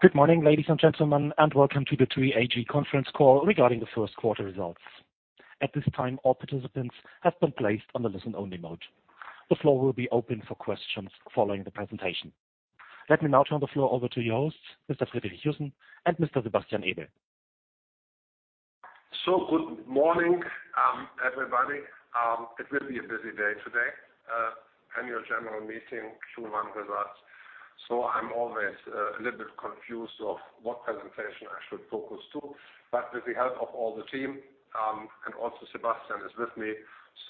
Good morning, ladies and gentlemen, and welcome to the TUI AG conference call regarding the first quarter results. At this time, all participants have been placed on the listen-only mode. The floor will be open for questions following the presentation. Let me now turn the floor over to your hosts, Mr. Friedrich Joussen and Mr. Sebastian Ebel. Good morning, everybody. It will be a busy day today. Annual General Meeting Q1 results. I'm always a little bit confused of what presentation I should focus to. With the help of all the team, and also Sebastian is with me,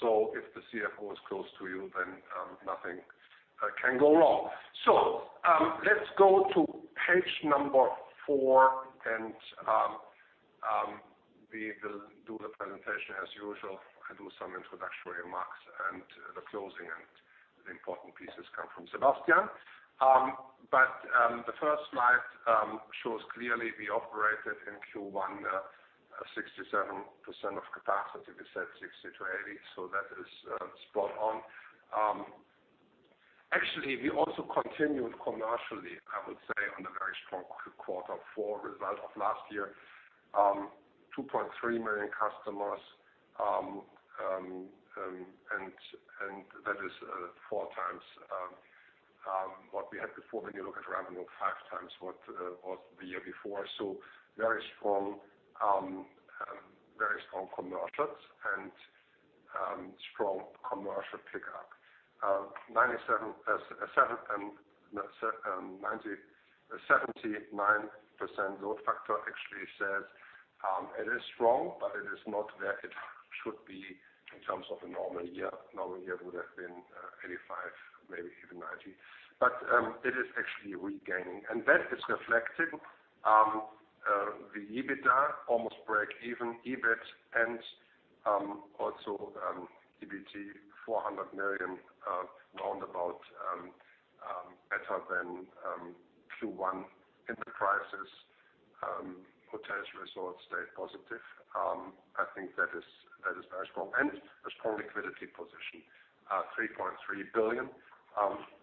so if the CFO is close to you, then nothing can go wrong. Let's go to page 4, and we will do the presentation as usual. I do some introductory remarks and the closing and the important pieces come from Sebastian. The first slide shows clearly we operated in Q1, 67% of capacity. We said 60-80, so that is spot on. Actually, we also continued commercially, I would say, on a very strong Q4 result of last year. 2.3 million customers and that is 4x what we had before when you look at revenue, 5x what was the year before. Very strong commercials and strong commercial pickup. 79% load factor actually says it is strong, but it is not where it should be in terms of a normal year. Normal year would have been 85, maybe even 90. It is actually regaining. That is reflected in the EBITDA almost break even, EBIT and also EBT EUR 400 million roundabout better than Q1 into prices. Hotels & Resorts stayed positive. I think that is very strong. A strong liquidity position 3.3 billion.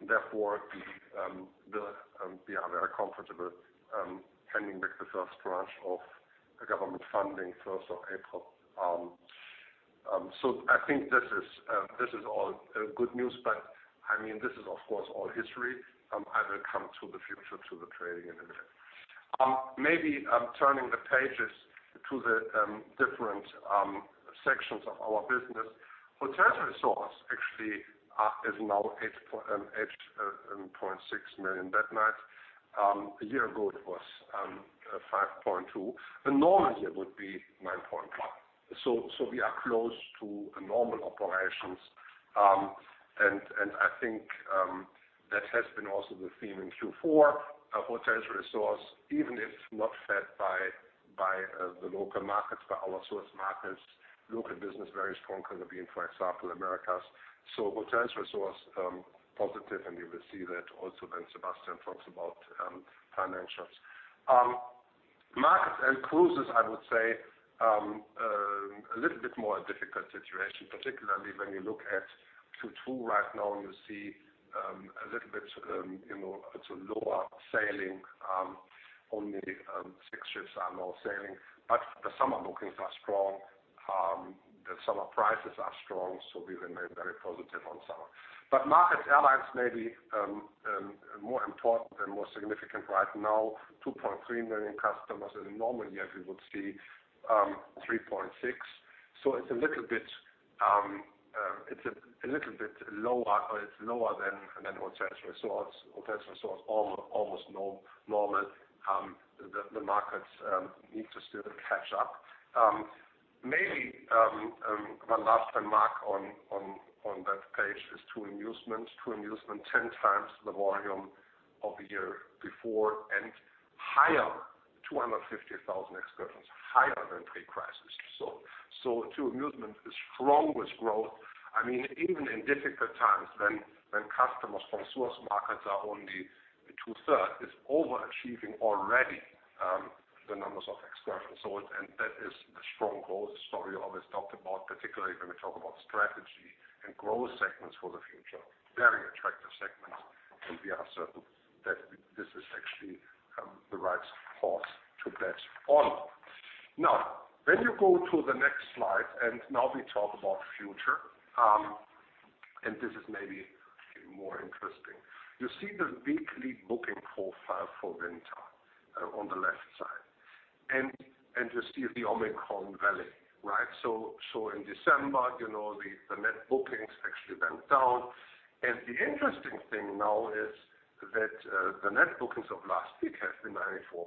Therefore, we are very comfortable paying back the first tranche of government funding 1st of April. I think this is all good news, but I mean, this is, of course, all history. I will come to the future, to the trading in a minute. Maybe I'm turning the pages to the different sections of our business. Hotels & Resorts actually is now 8.6 million bed nights. A year ago, it was 5.2. A normal year would be 9.1. We are close to a normal operations. And I think that has been also the theme in Q4 of Hotels & Resorts, even if not fed by the local markets, by our source markets. Local business very strong, Caribbean, for example, Americas. Hotels & Resorts positive, and you will see that also when Sebastian talks about financials. Markets and Cruises, I would say, a little bit more difficult situation, particularly when you look at Q2 right now, and you see a little bit, you know, it's a lower sailing. Only six ships are now sailing, but the summer bookings are strong. The summer prices are strong, we remain very positive on summer. Markets Airlines maybe more important and more significant right now, 2.3 million customers. In a normal year, we would see 3.6. It's a little bit lower, or it's lower than Hotels & Resorts. Hotels & Resorts almost normal. The markets need to still catch up. Maybe one last remark on that page is TUI Musement. TUI Musement, 10x the volume of the year before and higher, 250,000 excursions, higher than pre-crisis. TUI Musement is strongest growth. I mean, even in difficult times when customers from source markets are only 2/3 is overachieving already the numbers of excursions. That is the strong growth story I always talked about, particularly when we talk about strategy and growth segments for the future. Very attractive segments, and we are certain that this is actually the right horse to bet on. Now, when you go to the next slide, now we talk about future, and this is maybe more interesting. You see the weekly booking profile for winter on the left side. You see the Omicron valley, right? In December, you know, the net bookings actually went down. The interesting thing now is that the net bookings of last week have been 94%.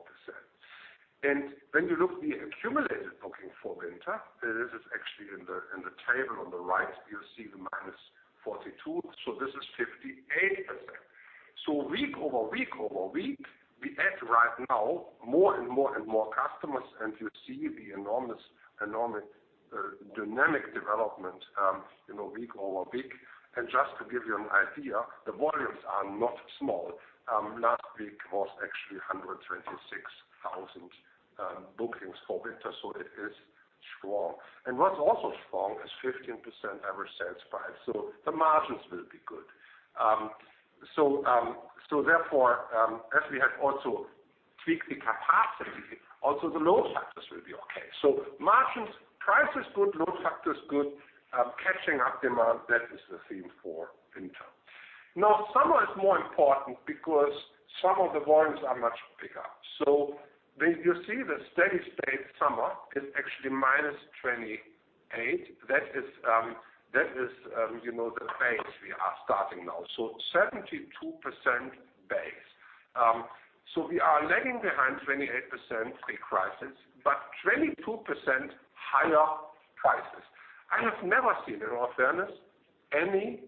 When you look at the accumulated booking for winter, it is actually in the table on the right, you see them as 42. This is 58%. Week-over-week, we add right now more and more customers, and you see the enormous dynamic development, you know, week-over-week. Just to give you an idea, the volumes are not small. Last week was actually 125,000 bookings for winter, so it is strong. What's also strong is 15% revenue satisfied, so the margins will be good. Therefore, as we have also tweaked the capacity, the load factors will be okay. Margins, price is good, load factor is good, catching up demand, that is the theme for winter. Now, summer is more important because some of the volumes are much bigger. When you see the steady-state summer is actually -28%. That is, you know, the base we are starting now, 72% base. We are lagging behind 28% pre-crisis, but 22% higher prices. I have never seen, in all fairness, any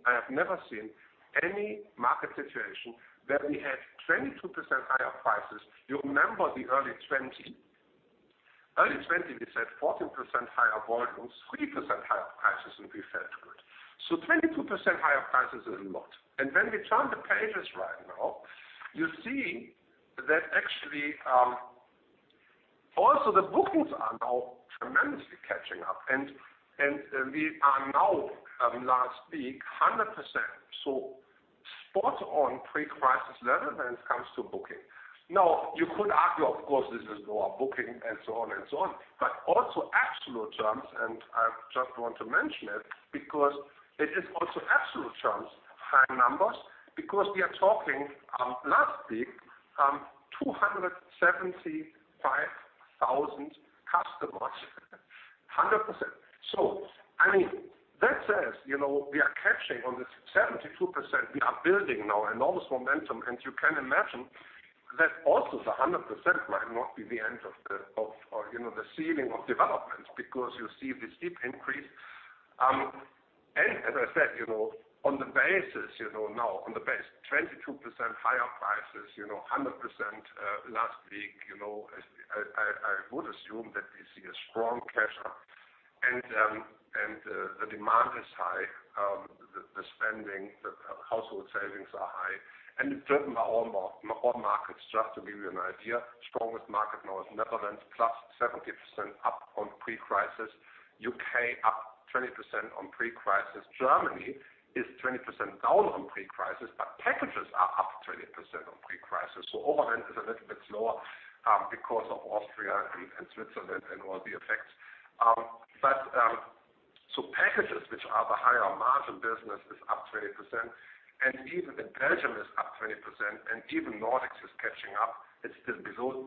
market situation where we had 22% higher prices. You remember the early 20, early 2020, we said 14% higher volumes, 3% higher prices, and we felt good. 22% higher prices is a lot. When we turn the pages right now, you see that actually also the bookings are now tremendously catching up and we are now last week 100%. Spot on pre-crisis level when it comes to booking. You could argue, of course, this is lower booking and so on and so on, but also absolute terms, and I just want to mention it because it is also absolute terms, high numbers, because we are talking last week 275,000 customers, 100%. I mean, that says, you know, we are catching up on this 72%. We are building now enormous momentum, and you can imagine that also the 100% might not be the end of the ceiling of development because you see the steep increase. As I said, you know, on the basis, you know, now on the base, 22% higher prices, you know, 100%, last week, you know, I would assume that we see a strong catch-up. The demand is high. The spending, the household savings are high, and it's driven by all markets. Just to give you an idea, strongest market now is Netherlands, +70% up on pre-crisis. U.K. up 20% on pre-crisis. Germany is 20% down on pre-crisis, but packages are up 20% on pre-crisis. Overall, it is a little bit lower, because of Austria and Switzerland and all the effects. Packages which are the higher margin business is up 20%, and even in Belgium is up 20%, and even Nordics is catching up. It's still below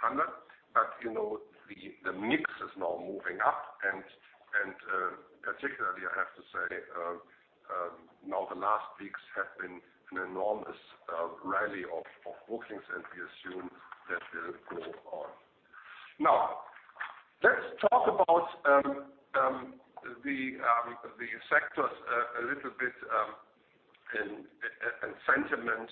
100, but you know, the mix is now moving up. Particularly, I have to say, now the last weeks have been an enormous rally of bookings, and we assume that will go on. Let's talk about the sectors a little bit and sentiment.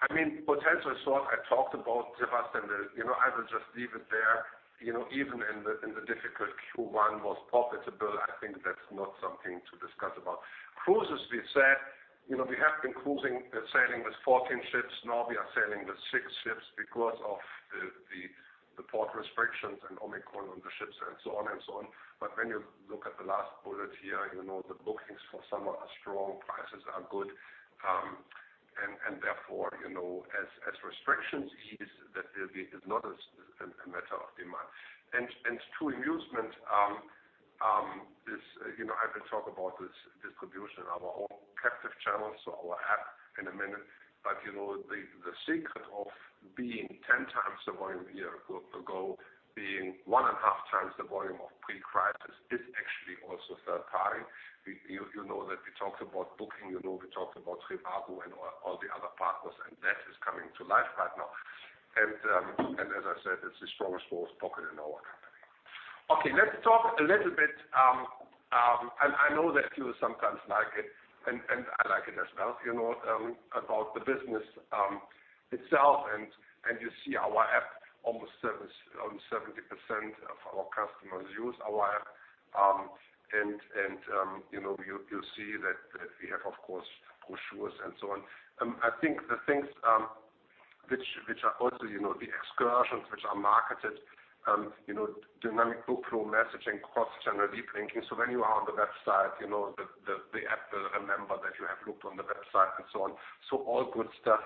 I mean, potential is what I talked about, the customer. You know, I will just leave it there. You know, even in the difficult Q1 was profitable. I think that's not something to discuss about. Cruises we said, you know, we have been cruising, sailing with 14 ships. Now we are sailing with 6 ships because of the port restrictions and Omicron on the ships and so on. When you look at the last bullet here, you know the bookings for summer are strong, prices are good. Therefore, you know, as restrictions ease, that will be. It's not a matter of demand. To Musement is, you know, I will talk about this distribution, our own captive channels, so our app in a minute. You know, the secret of being 10x the volume year ago, being 1.5x the volume of pre-crisis is actually also third party. You know that we talked about booking, you know we talked about TripAdvisor and all the other partners, and that is coming to life right now. As I said, it's the strongest growth pocket in our company. Okay, let's talk a little bit, and I know that you sometimes like it, and I like it as well, you know, about the business itself. You see our app. Almost 70% of our customers use our app. You know, you see that we have, of course, brochures and so on. I think the things which are also, you know, the excursions which are marketed, you know, dynamic booking flow messaging, cross-channel deep linking. When you are on the website, you know, the app will remember that you have looked on the website and so on. All good stuff.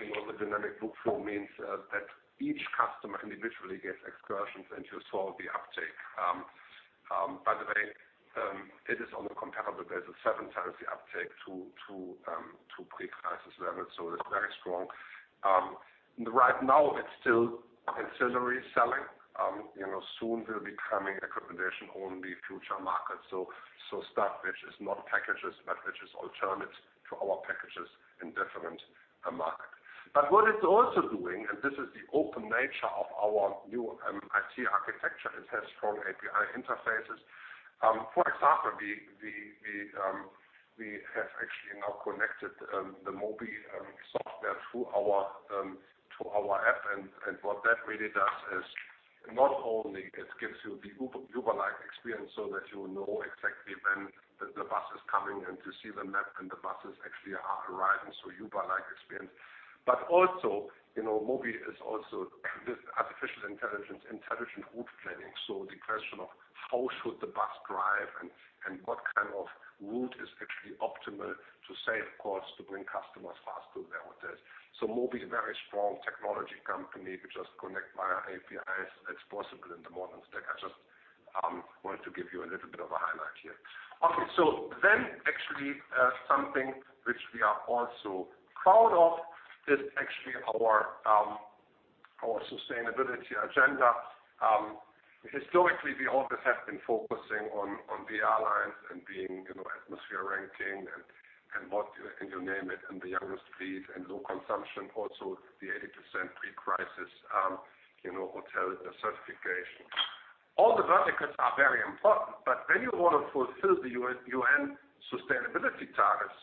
You know, the dynamic book flow means that each customer individually gets excursions, and you saw the uptake. By the way, it is on the comparable. There's 7x the uptake to pre-crisis levels. It's very strong. Right now it's still ancillary selling. You know, soon will be coming accommodation-only future market. Stuff which is not packages, but which is alternate to our packages in different market. But what it's also doing, and this is the open nature of our new IT architecture, it has strong API interfaces. For example, we have actually now connected the Mobi software to our app. What that really does is not only it gives you the Uber-like experience so that you know exactly when the bus is coming, and you see the map and the buses actually are arriving, so Uber-like experience. Also, you know, Mobi is also this artificial intelligence, intelligent route planning, so the question of how should the bus drive and what kind of route is actually optimal to save costs to bring customers faster to their hotels. Mobi is a very strong technology company which does connect via APIs. It's possible in the modern stack. I just wanted to give you a little bit of a highlight here. Okay. Actually, something which we are also proud of is our sustainability agenda. Historically we always have been focusing on the airlines and being, you know, atmosfair ranking and you name it, the youngest fleet, low consumption, also the 80% pre-crisis hotel certification. All the verticals are very important, but when you want to fulfill the UN sustainability targets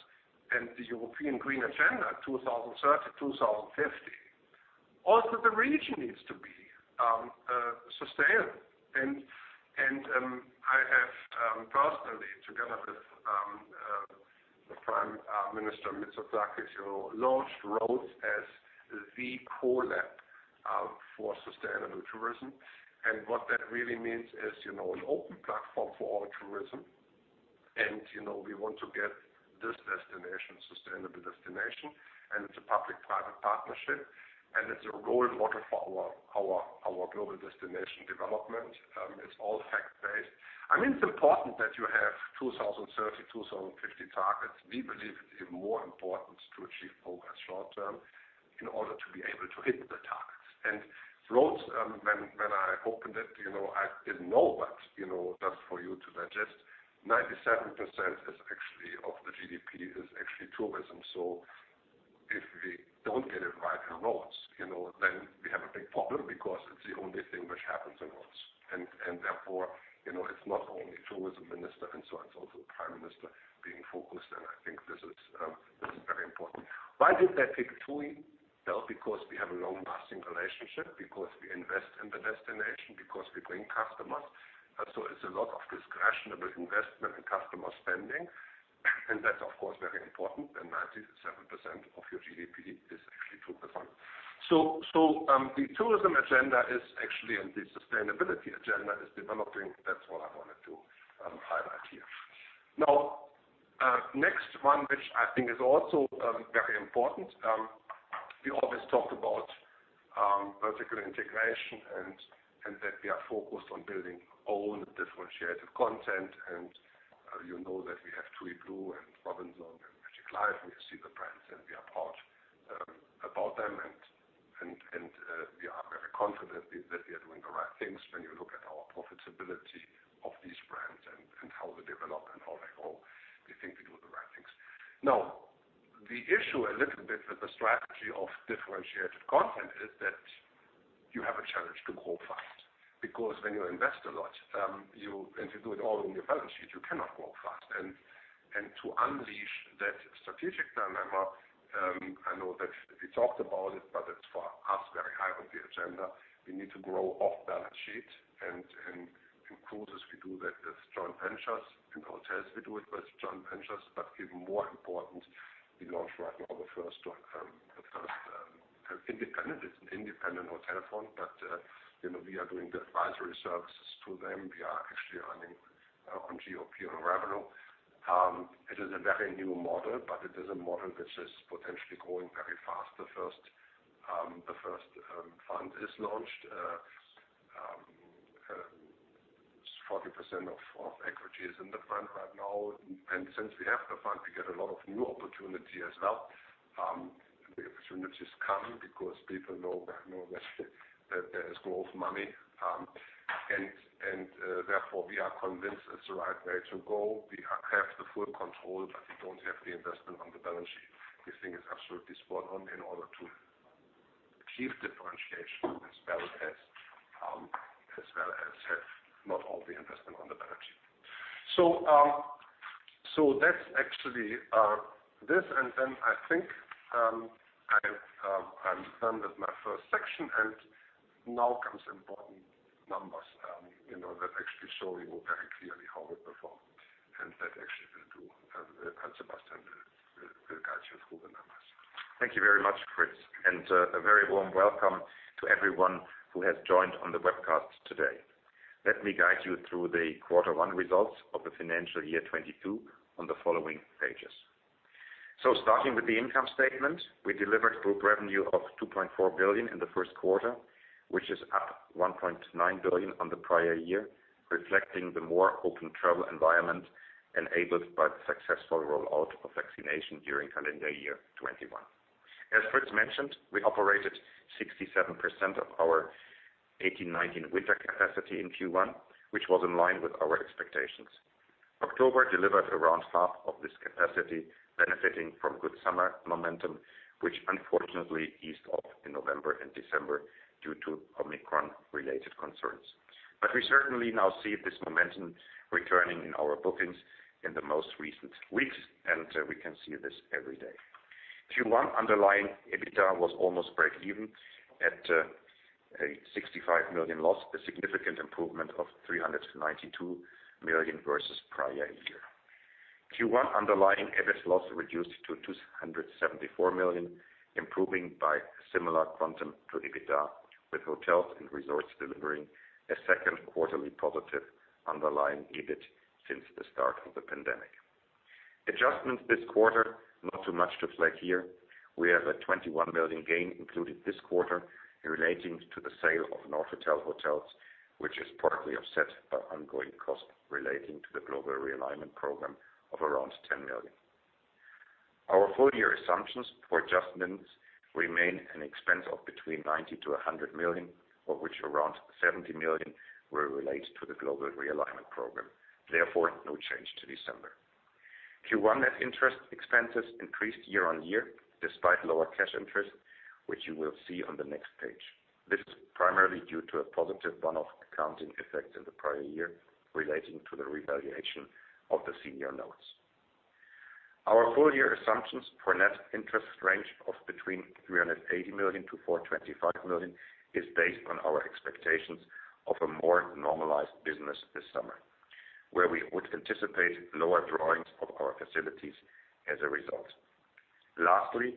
and the European Green Deal 2030, 2050, also the region needs to be sustainable. I have personally together with the Prime Minister Mitsotakis, who launched Rhodes as the co-lab for sustainable tourism. What that really means is, you know, an open platform for all tourism and, you know, we want to get this destination sustainable destination, and it's a public-private partnership, and it's a role model for our global destination development. It's all fact-based. I mean, it's important that you have 2030, 2050 targets. We believe it more important to achieve progress short-term in order to be able to hit the targets. Rhodes, when I opened it, you know, I didn't know, but, you know, just for you to digest, 97% of the GDP is actually tourism. If we don't get it right in Rhodes, you know, then we have a big problem because it's the only thing which happens in Rhodes and therefore, you know, it's not only tourism minister and so on, it's also the prime minister being focused, and I think this is this is very important. Why did they pick TUI? Well, because we have a long-lasting relationship, because we invest in the destination, because we bring customers. It's a lot of discretionary investment and customer spending, and that's of course very important when 97% of your GDP is actually tourism. The tourism agenda is actually and the sustainability agenda is developing. That's what I wanted to highlight here. Now, next one, which I think is also very important, we always talk about vertical integration and that we are focused on building own differentiated content. You know that we have TUI BLUE and ROBINSON and TUI MAGIC LIFE, we see the brands and we are proud about them and we are very confident that we are doing the right things when you look at our profitability of these brands and how they develop and how they grow. We think we do the right things. Now, the issue a little bit with the strategy of differentiated content is that you have a challenge to grow fast, because when you invest a lot, you do it all on your balance sheet, you cannot grow fast. To unleash that strategic dynamic, I know that we talked about it, but it's for us very high on the agenda. We need to grow off-balance-sheet and in cruises we do that as joint ventures. In hotels we do it with joint ventures. But even more important, we launch right now the first one, the first independent. It's an independent hotel fund, but you know, we are doing the advisory services to them. We are actually earning on GOP on revenue. It is a very new model, but it is a model which is potentially growing very fast. The first fund is launched. 40% of equity is in the fund right now. Since we have the fund, we get a lot of new opportunity as well. The opportunities come because people know that there is growth money. Therefore we are convinced it's the right way to go. We have the full control, but we don't have the investment on the balance sheet. We think it's absolutely spot on in order to achieve differentiation as well as have not all the investment on the balance sheet. That's actually this. Then I think I'm done with my first section and now comes important numbers, you know, that actually show you very clearly how we performed, and that actually will do. Sebastian will guide you through the numbers. Thank you very much, Fritz. A very warm welcome to everyone who has joined on the webcast today. Let me guide you through the quarter one results of the financial year 2022 on the following pages. Starting with the income statement, we delivered group revenue of 2.4 billion in the first quarter, which is up 1.9 billion on the prior year, reflecting the more open travel environment enabled by the successful rollout of vaccination during calendar year 2021. As Fritz mentioned, we operated 67% of our 2018-2019 winter capacity in Q1, which was in line with our expectations. October delivered around half of this capacity, benefiting from good summer momentum, which unfortunately eased off in November and December due to Omicron-related concerns. We certainly now see this momentum returning in our bookings in the most recent weeks, and we can see this every day. Q1 underlying EBITDA was almost breakeven at a 65 million loss, a significant improvement of 392 million versus prior year. Q1 underlying EBIT loss reduced to 274 million, improving by similar quantum to EBITDA, with Hotels & Resorts delivering a second quarterly positive underlying EBIT since the start of the pandemic. Adjustments this quarter, not too much to flag here. We have a 21 million gain included this quarter relating to the sale of Nordotel Hotels, which is partly offset by ongoing costs relating to the Global Realignment Program of around 10 million. Our full-year assumptions for adjustments remain an expense of between 90 million-100 million, of which around 70 million were related to the Global Realignment Program. Therefore, no change to December. Q1 net interest expenses increased year-over-year despite lower cash interest, which you will see on the next page. This is primarily due to a positive one-off accounting effect in the prior year relating to the revaluation of the senior notes. Our full-year assumptions for net interest range of between 380 million-425 million is based on our expectations of a more normalized business this summer, where we would anticipate lower drawings of our facilities as a result. Lastly,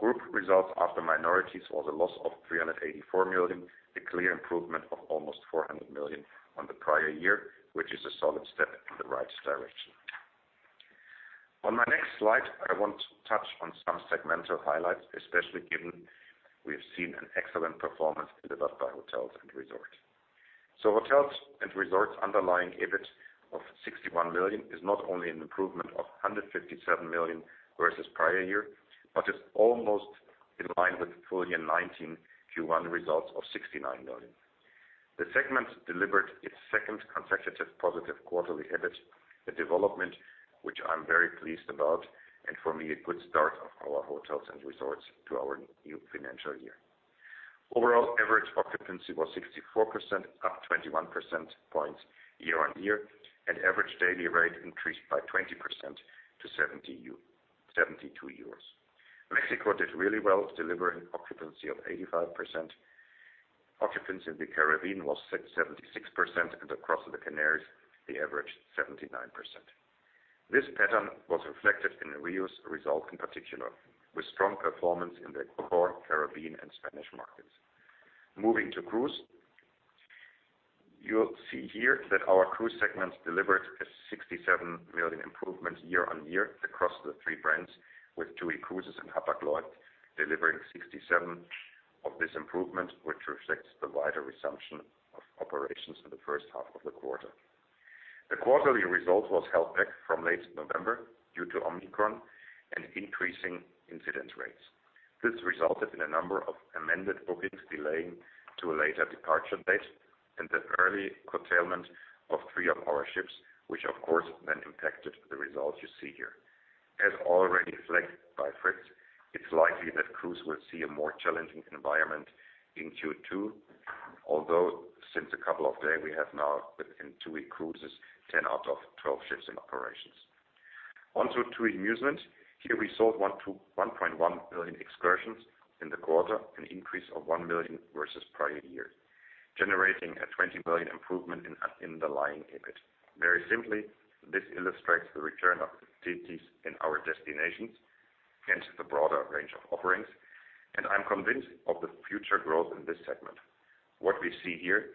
group results after minorities was a loss of 384 million, a clear improvement of almost 400 million on the prior year, which is a solid step in the right direction. On my next slide, I want to touch on some segmental highlights, especially given we have seen an excellent performance delivered by Hotels & Resorts. Hotels & Resorts underlying EBIT of 61 million is not only an improvement of 157 million versus prior year, but is almost in line with full year 2019 Q1 results of 69 million. The segment delivered its second consecutive positive quarterly EBIT, a development which I'm very pleased about, and for me a good start of our Hotels & Resorts to our new financial year. Overall average occupancy was 64%, up 21 percentage points year-on-year, and average daily rate increased by 20% to 72 euros. Mexico did really well, delivering occupancy of 85%. Occupancy in the Caribbean was at 76% and across the Canaries they averaged 79%. This pattern was reflected in the Riu's result in particular, with strong performance in the core Caribbean and Spanish markets. Moving to cruise. You'll see here that our cruise segments delivered a 67 million improvement year-on-year across the three brands, with TUI Cruises and Hapag-Lloyd delivering 67 of this improvement, which reflects the wider resumption of operations in the first half of the quarter. The quarterly result was held back from late November due to Omicron and increasing incidence rates. This resulted in a number of amended bookings delaying to a later departure date and the early curtailment of three of our ships, which of course then impacted the results you see here. As already flagged by Fritz, it's likely that cruise will see a more challenging environment in Q2, although since a couple of days we have now within TUI Cruises, 10/12 ships in operations. Onto TUI Musement. Here we sold 1.1 million excursions in the quarter, an increase of 1 million versus prior year, generating a 20 million improvement in underlying EBIT. Very simply, this illustrates the return of activities in our destinations and the broader range of offerings, and I'm convinced of the future growth in this segment. What we see here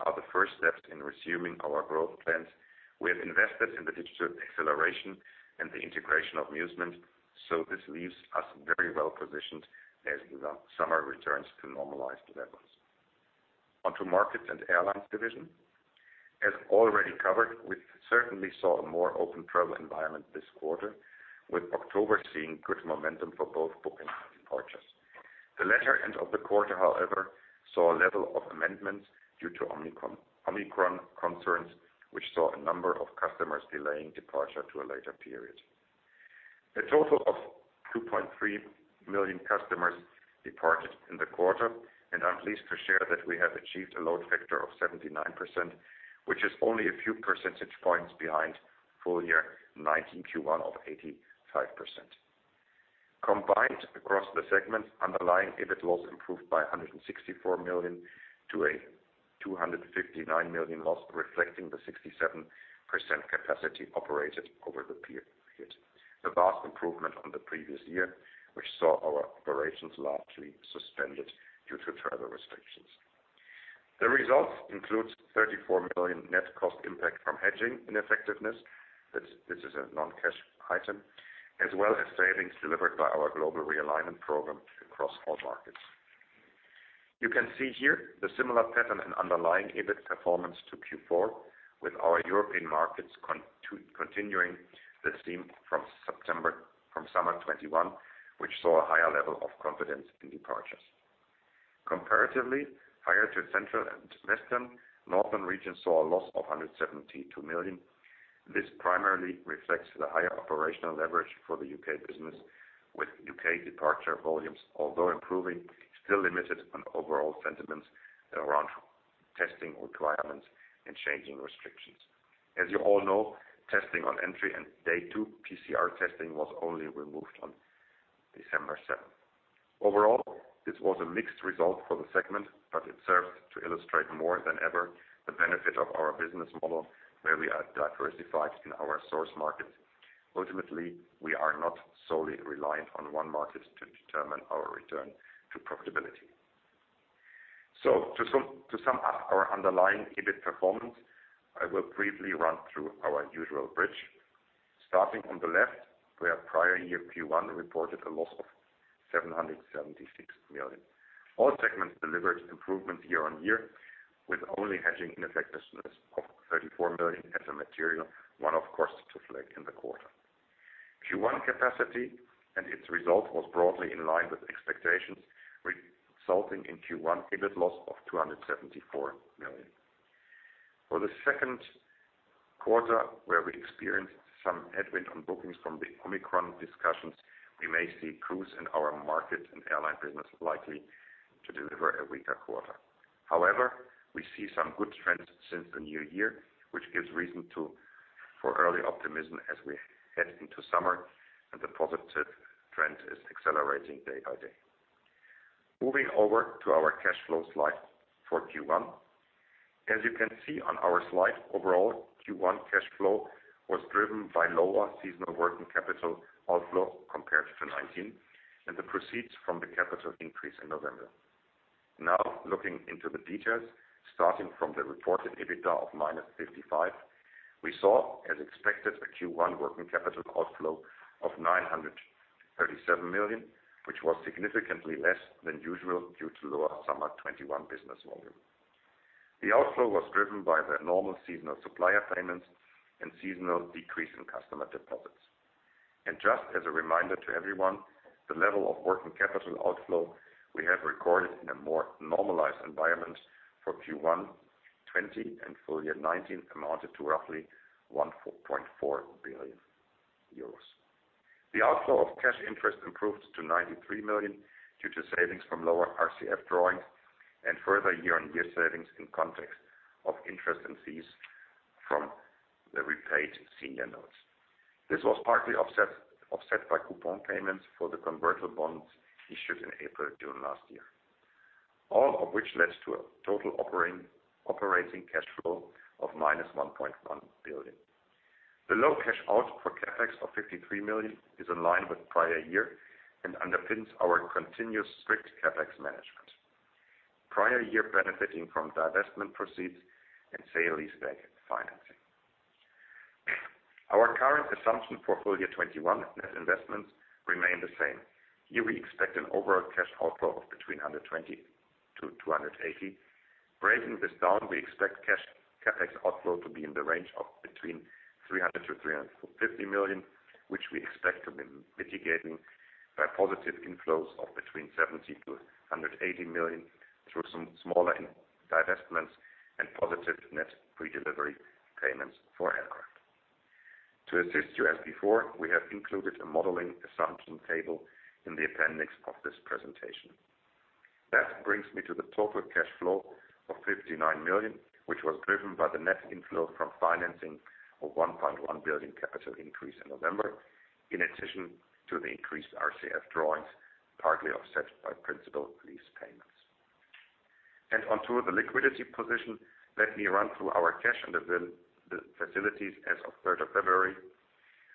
are the first steps in resuming our growth plans. We have invested in the digital acceleration and the integration of Musement, so this leaves us very well positioned as the summer returns to normalized levels. Onto markets and airlines division. As already covered, we certainly saw a more open travel environment this quarter, with October seeing good momentum for both bookings and departures. The latter end of the quarter, however, saw a level of amendments due to Omicron concerns, which saw a number of customers delaying departure to a later period. A total of 2.3 million customers departed in the quarter, and I'm pleased to share that we have achieved a load factor of 79%, which is only a few percentage points behind full-year 2019 Q1 of 85%. Combined across the segments, underlying EBIT was improved by 164 million to a 259 million loss, reflecting the 67% capacity operated over the period. A vast improvement on the previous year, which saw our operations largely suspended due to travel restrictions. The results include 34 million net cost impact from hedging ineffectiveness. This is a non-cash item, as well as savings delivered by our Global Realignment Program across all markets. You can see here the similar pattern and underlying EBIT performance to Q4 with our European markets continuing the steam from summer 2021, which saw a higher level of confidence in departures. Comparatively, higher to central and western, northern regions saw a loss of 172 million. This primarily reflects the higher operational leverage for the U.K. business with U.K. Departure volumes, although improving, still limited on overall sentiments around testing requirements and changing restrictions. As you all know, testing on entry and day two PCR testing was only removed on December 7. Overall, this was a mixed result for the segment, but it serves to illustrate more than ever the benefit of our business model where we are diversified in our source markets. Ultimately, we are not solely reliant on one market to determine our return to profitability. To sum up our underlying EBIT performance, I will briefly run through our usual bridge. Starting on the left, where prior year Q1 reported a loss of 776 million. All segments delivered improvement year on year, with only hedging ineffectiveness of 34 million as a material, one-off cost to flag in the quarter. Q1 capacity and its result was broadly in line with expectations, resulting in Q1 EBIT loss of 274 million. For the second quarter, where we experienced some headwind on bookings from the Omicron discussions, we may see cruise in our market and airline business likely to deliver a weaker quarter. However, we see some good trends since the new year, which gives reason to, for early optimism as we head into summer and the positive trend is accelerating day by day. Moving over to our cash flow slide for Q1. As you can see on our slide, overall Q1 cash flow was driven by lower seasonal working capital outflow compared to 2019, and the proceeds from the capital increase in November. Looking into the details, starting from the reported EBITDA of -55 million, we saw, as expected, a Q1 working capital outflow of 937 million, which was significantly less than usual due to lower summer 2021 business volume. The outflow was driven by the normal seasonal supplier payments and seasonal decrease in customer deposits. Just as a reminder to everyone, the level of working capital outflow we have recorded in a more normalized environment for Q1 2020 and full year 2019 amounted to roughly 1.4 billion euros. The outflow of cash interest improved to 93 million due to savings from lower RCF drawings and further year-on-year savings in context of interest and fees from the repaid senior notes. This was partly offset by coupon payments for the convertible bonds issued in April during last year. All of which led to a total operating cash flow of -1.1 billion. The low cash out for CapEx of 53 million is in line with prior year and underpins our continuous strict CapEx management. Prior year benefiting from divestment proceeds and sale leaseback financing. Our current assumption for full year 2021 net investments remain the same. Here we expect an overall cash outflow of between 120 and 280. Breaking this down, we expect cash CapEx outflow to be in the range of between 300 million to 350 million, which we expect to be mitigating by positive inflows of between 70 million to 180 million through some smaller divestments and positive net redelivery payments for aircraft. To assist you as before, we have included a modeling assumption table in the appendix of this presentation. That brings me to the total cash flow of 59 million, which was driven by the net inflow from financing of 1.1 billion capital increase in November, in addition to the increased RCF drawings, partly offset by principal lease payments. Onto the liquidity position, let me run through our cash and the facilities as of the 3rd of February.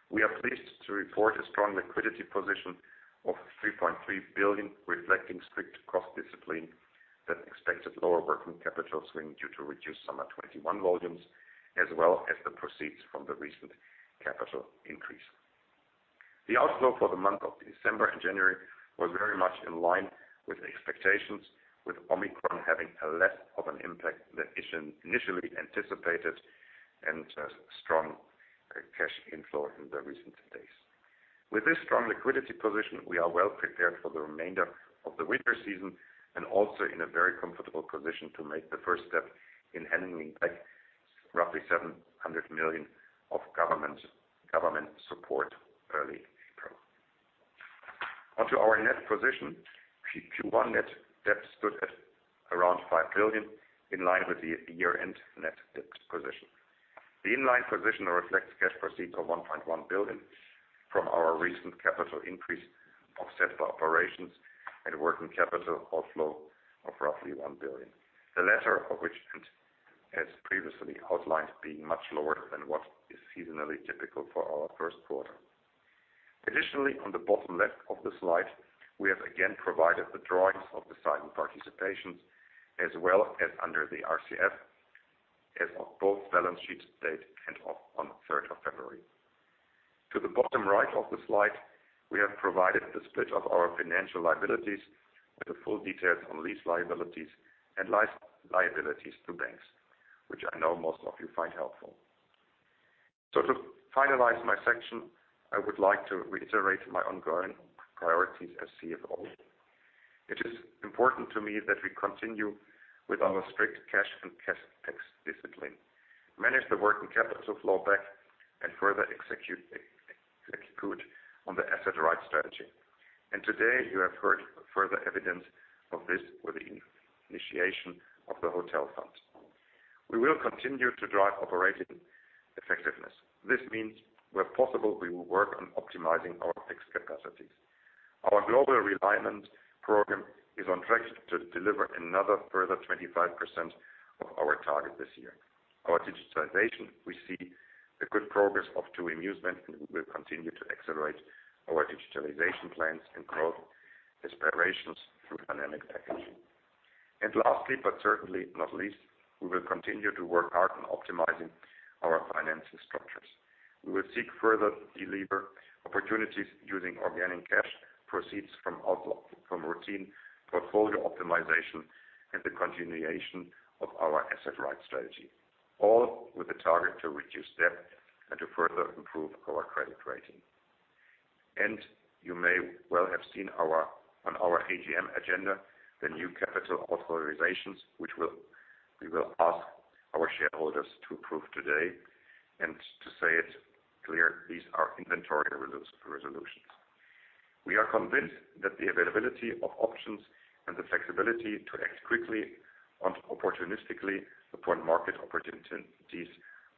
We are pleased to report a strong liquidity position of 3.3 billion, reflecting strict cost discipline, the expected lower working capital spend due to reduced summer 2021 volumes, as well as the proceeds from the recent capital increase. The outflow for the month of December and January was very much in line with expectations, with Omicron having less of an impact than initially anticipated and a strong cash inflow in the recent days. With this strong liquidity position, we are well prepared for the remainder of the winter season and also in a very comfortable position to make the first step in handling back roughly 700 million of government support early April. Onto our net position, Q1 net debt stood at around 5 billion, in line with the year-end net debt position. The in line position reflects cash proceeds of 1.1 billion from our recent capital increase, offset by operations and working capital outflow of roughly 1 billion. The latter of which, as previously outlined, being much lower than what is seasonally typical for our first quarter. Additionally, on the bottom left of the slide, we have again provided the drawings of the silent participations, as well as under the RCF, as of both balance sheet date and end of February. To the bottom right of the slide, we have provided the split of our financial liabilities with the full details on lease liabilities and liabilities to banks, which I know most of you find helpful. To finalize my section, I would like to reiterate my ongoing priorities as CFO. It is important to me that we continue with our strict cash and CapEx discipline, manage the working capital low back, and further execute on the asset-right strategy. Today you have heard further evidence of this with the initiation of the hotel fund. We will continue to drive operating effectiveness. This means where possible, we will work on optimizing our fixed capacities. Our Global Realignment Program is on track to deliver further 25% of our target this year. Our digitalization, we see the good progress of TUI Musement, and we will continue to accelerate our digitalization plans and growth aspirations through dynamic packaging. Lastly, but certainly not least, we will continue to work hard on optimizing our financing structures. We will seek further delever opportunities using organic cash proceeds from routine portfolio optimization and the continuation of our asset-right strategy, all with the target to reduce debt and to further improve our credit rating. You may well have seen on our AGM agenda, the new capital authorizations, which we will ask our shareholders to approve today and to say it clear, these are inventory resolutions. We are convinced that the availability of options and the flexibility to act quickly and opportunistically upon market opportunities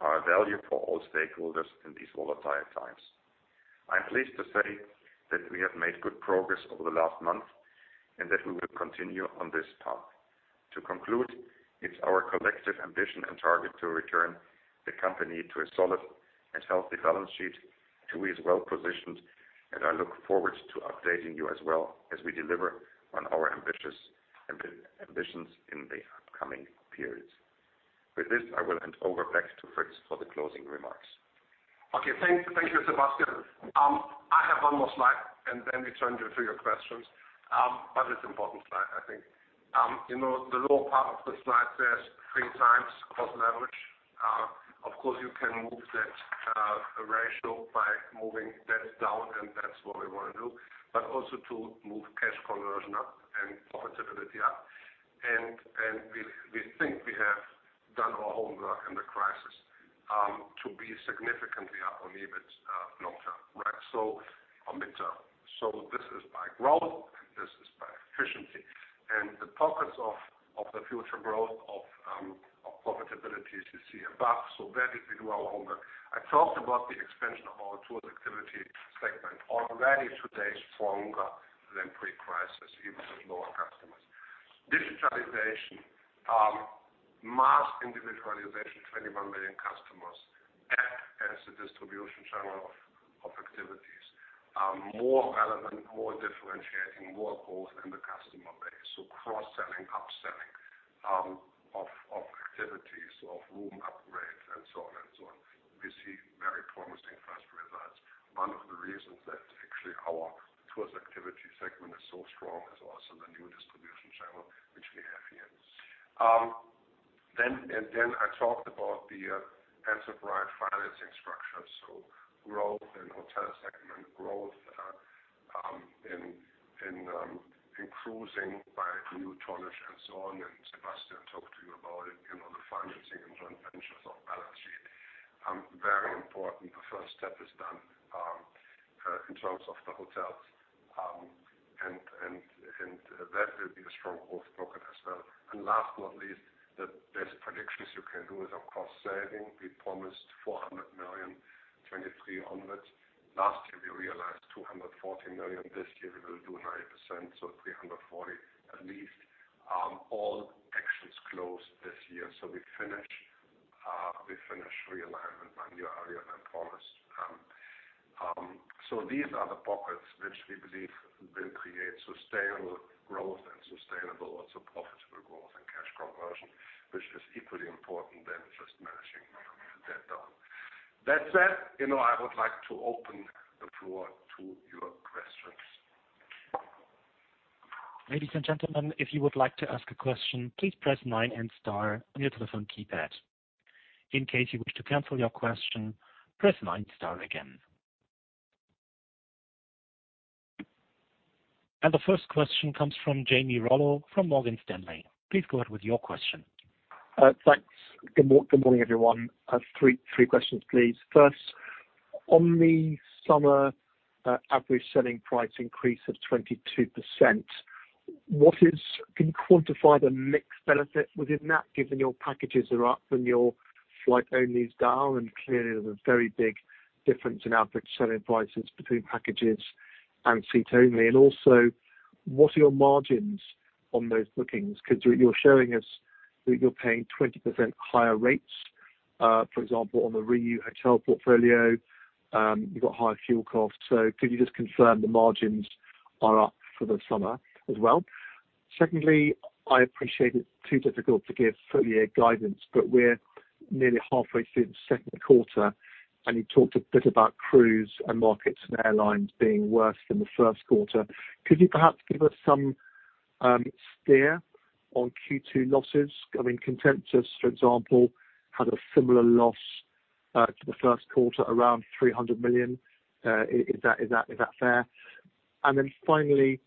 are a value for all stakeholders in these volatile times. I'm pleased to say that we have made good progress over the last month, and that we will continue on this path. To conclude, it's our collective ambition and target to return the company to a solid and healthy balance sheet. TUI is well-positioned, and I look forward to updating you as well as we deliver on our ambitious ambitions in the upcoming periods. With this, I will hand over back to Fritz for the closing remarks. Okay. Thank you. Thank you, Sebastian. I have one more slide, and then we turn to your questions. It's an important slide, I think. You know, the lower part of the slide says 3x cost leverage. Of course, you can move that ratio by moving debt down, and that's what we wanna do. Also to move cash conversion up and profitability up. We think we have done our homework in the crisis to be significantly up on EBIT long term, right? Or mid-term. This is by growth, and this is by efficiency. The pockets of the future growth of profitability as you see above. Where did we do our homework? I talked about the expansion of our tours activity segment. Already today, stronger than pre-crisis, even with lower customers. Digitalization, mass individualization, 21 million customers. App as a distribution channel of activities are more relevant, more differentiating, more growth in the customer base. Cross-selling, upselling, of activities, of room upgrade and so on and so on. We see very promising first results. One of the reasons that actually our tours activity segment is so strong is also the new distribution channel, which we have here. I talked about the asset-right financing structure. Growth in hotel segment, growth in cruising by new tonnage and so on, and Sebastian talked to you about it, you know, the financing and joint ventures off-balance sheet. Very important, the first step is done in terms of the hotels. That will be a strong growth pocket as well. Last but not least, the best predictions you can do is of cost saving. We promised 400 million, 2,300s. Last year, we realized 240 million. This year, we will do 9%, so 340 million at least. All actions closed this year. We finish Realignment one year earlier than promised. These are the pockets which we believe will create sustainable growth and sustainable, also profitable growth and cash conversion, which is equally important than just managing debt down. That said, you know, I would like to open the floor to your questions. The first question comes from Jamie Rollo from Morgan Stanley. Please go ahead with your question. Thanks. Good morning, everyone. I have three questions, please. First, on the summer average selling price increase of 22%, can you quantify the mix benefit within that, given your packages are up and your flight only is down? Clearly, there's a very big difference in average selling prices between packages and seats only. Also, what are your margins on those bookings? Because you're showing us that you're paying 20% higher rates, for example, on the Riu Hotel portfolio. You've got higher fuel costs. Could you just confirm the margins are up for the summer as well? Secondly, I appreciate it's too difficult to give full year guidance, but we're nearly halfway through the second quarter, and you talked a bit about cruise and markets and airlines being worse than the first quarter. Could you perhaps give us some steer on Q2 losses? I mean, competitors, for example, had a similar loss to the first quarter, around 300 million. Is that fair? Finally,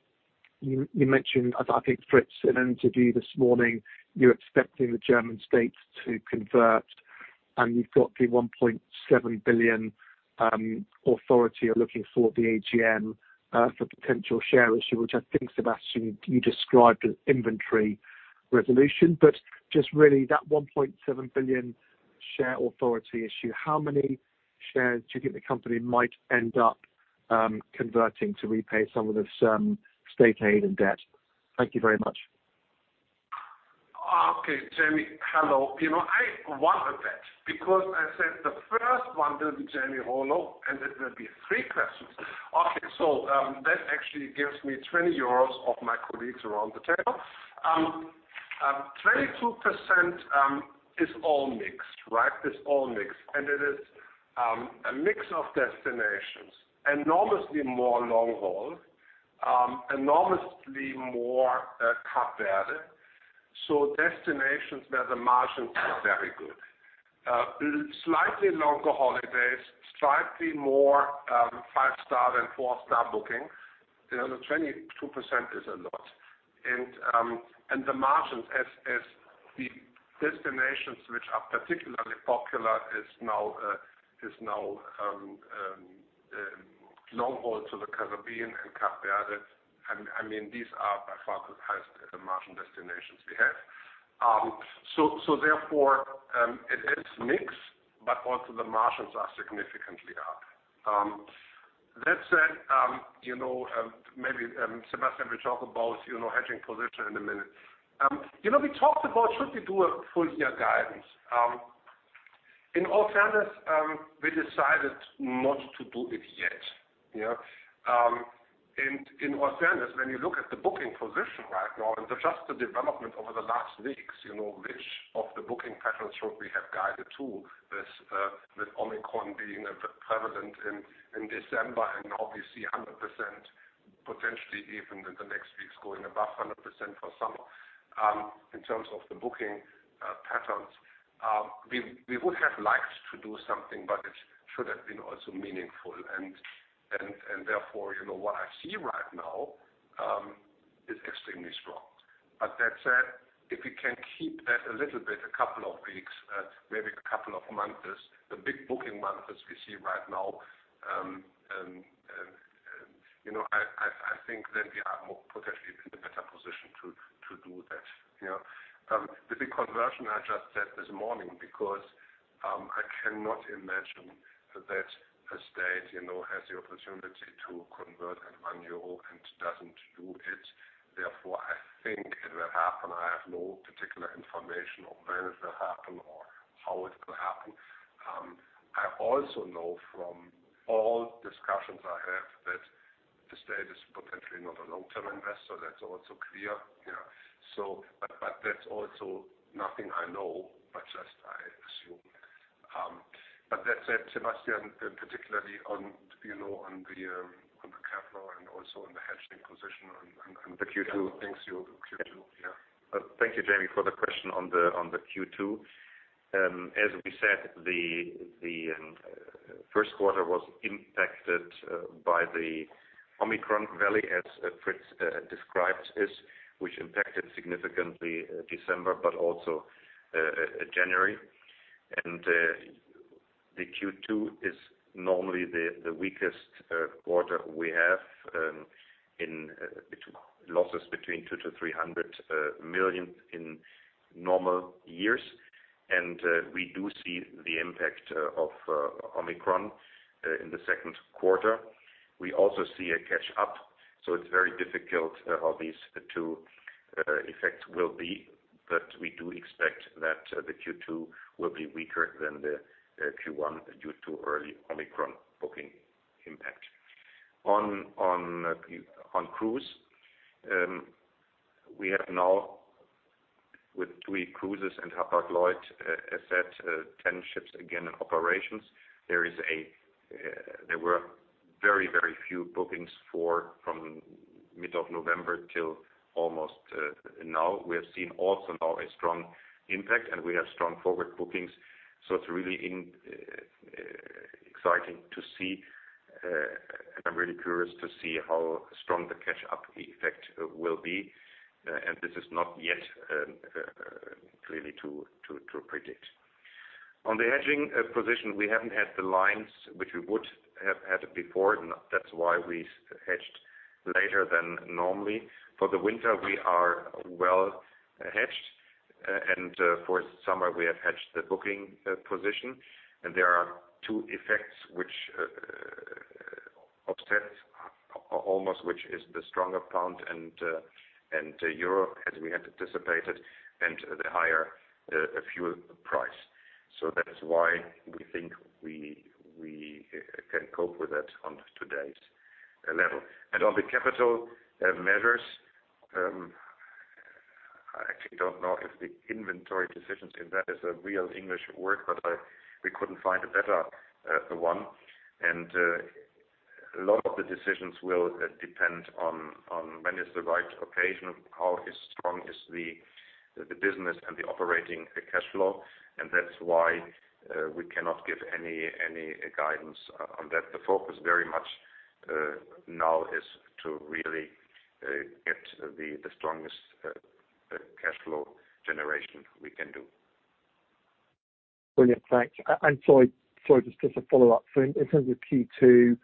you mentioned, I think Fritz in an interview this morning, you're expecting the German states to convert, and you've got the 1.7 billion authority you're looking for at the AGM for potential share issue, which I think, Sebastian, you described as authorisation resolution. Just really that 1.7 billion share authority issue, how many shares do you think the company might end up converting to repay some of the state aid and debt? Thank you very much. Okay, Jamie. Hello. You know, I won a bet because I said the first one will be Jamie Rollo, and it will be three questions. Okay, so that actually gives me 20 euros of my colleagues around the table. 22% is all mixed, right? It's all mixed. It is a mix of destinations, enormously more long-haul, enormously more Cape Verde. Destinations where the margins are very good. Slightly longer holidays, slightly more five-star and four-star booking. You know, the 22% is a lot. The margins as the destinations which are particularly popular is now long-haul to the Caribbean and Cape Verde. I mean, these are by far the highest margin destinations we have. Therefore, it is mixed, but also the margins are significantly up. That said, you know, maybe Sebastian will talk about, you know, hedging position in a minute. You know, we talked about should we do a full year guidance. In all fairness, we decided not to do it yet, yeah. In all fairness, when you look at the booking position right now and just the development over the last weeks, you know, which of the booking patterns should we have guided to this, with Omicron being prevalent in December and obviously 100% potentially even in the next weeks going above 100% for summer. In terms of the booking patterns, we would have liked to do something, but it should have been also meaningful. Therefore, you know, what I see right now is extremely strong. But that said, if we can keep that a little bit a couple of weeks, maybe a couple of months as the big booking months as we see right now, you know, I think then we are more potentially in a better position to do that, you know. The big conversion I just said this morning because I cannot imagine that a state, you know, has the opportunity to convert at 1 euro and doesn't do it. Therefore, I think it will happen. I have no particular information of when it will happen or how it will happen. I also know from all discussions I have that the state is potentially not a long-term investor. That's also clear, yeah. That's also nothing I know, but just I assume. That said, Sebastian, particularly on, you know, on the capital and also on the hedging position on the Q2. Thank you, Jamie, for the question on the Q2. As we said, the first quarter was impacted by the Omicron variant, as Fritz described this, which impacted significantly December, but also January. The Q2 is normally the weakest quarter we have, with losses between 200 million-300 million in normal years. We do see the impact of Omicron in the second quarter. We also see a catch up, so it's very difficult how these two effects will be. We do expect that the Q2 will be weaker than the Q1 due to early Omicron booking impact. On cruise, we have now with TUI Cruises and Hapag-Lloyd, as said, 10 ships again in operations. There were very few bookings from mid-November till almost now. We have seen also now a strong impact, and we have strong forward bookings. It's really exciting to see, and I'm really curious to see how strong the catch-up effect will be. This is not yet clearly to predict. On the hedging position, we haven't had the lines which we would have had before. That's why we hedged later than normal. For the winter, we are well hedged. For summer, we have hedged the booking position. There are two effects which offset almost, which is the stronger pound and euro as we had anticipated and the higher fuel price. That is why we think we can cope with that on today's level. On the capital measures, I actually don't know if the inventory decisions, if that is a real English word, but we couldn't find a better one. A lot of the decisions will depend on when is the right occasion, how strong is the business and the operating cash flow. That's why we cannot give any guidance on that. The focus very much now is to really get the strongest cash flow generation we can do. Brilliant. Thanks. Sorry, just as a follow-up. In terms of Q2,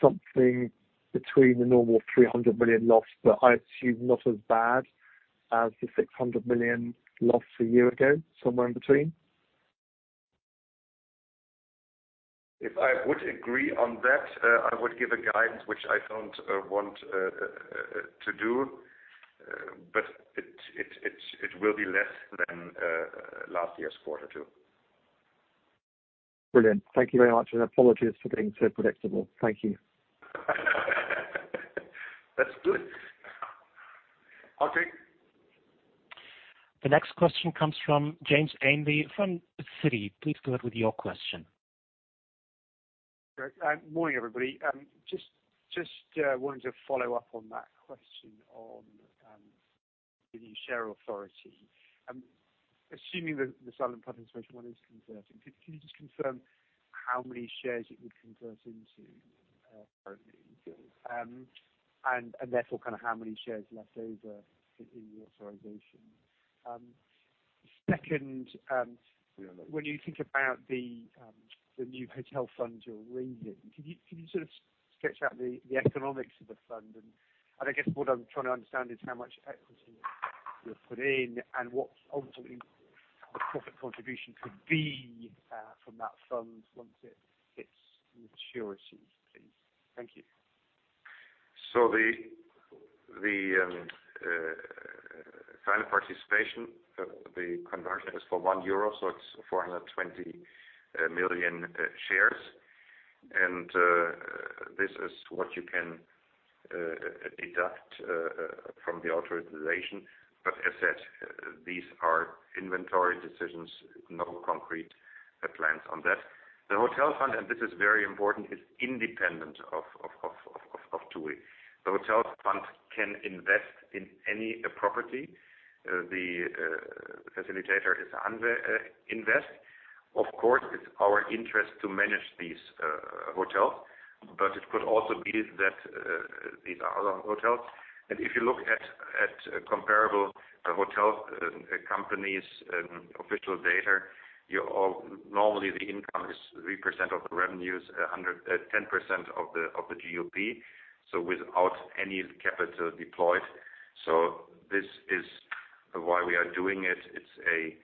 something between the normal 300 million loss, but I assume not as bad as the 600 million loss a year ago, somewhere in between? If I would agree on that, I would give a guidance, which I don't want to do. It will be less than last year's quarter two. Brilliant. Thank you very much, and apologies for being so predictable. Thank you. That's good. Okay. The next question comes from James Ainley from Citi. Please go ahead with your question. Great. Morning, everybody. Just wanted to follow up on that question on the share authority. Assuming that the silent participation one is converting, can you just confirm how many shares it would convert into currently? And therefore kind of how many shares left over in the authorization. Second, when you think about the new hotel fund you're raising, could you sort of sketch out the economics of the fund? I guess what I'm trying to understand is how much equity you'll put in and what ultimately the profit contribution could be from that fund once it hits maturity, please. Thank you. The final participation, the conversion is for 1 euro, so it's 420 million shares. This is what you can deduct from the authorization. As said, these are inventory decisions, no concrete plans on that. The hotel fund, and this is very important, is independent of TUI. The hotel fund can invest in any property. The facilitator is HANSAINVEST. Of course, it's our interest to manage these hotels, but it could also be that these are other hotels. If you look at comparable hotel companies' official data, normally the income is 3% of the revenues, 110% of the GOP without any capital deployed. This is why we are doing it. It's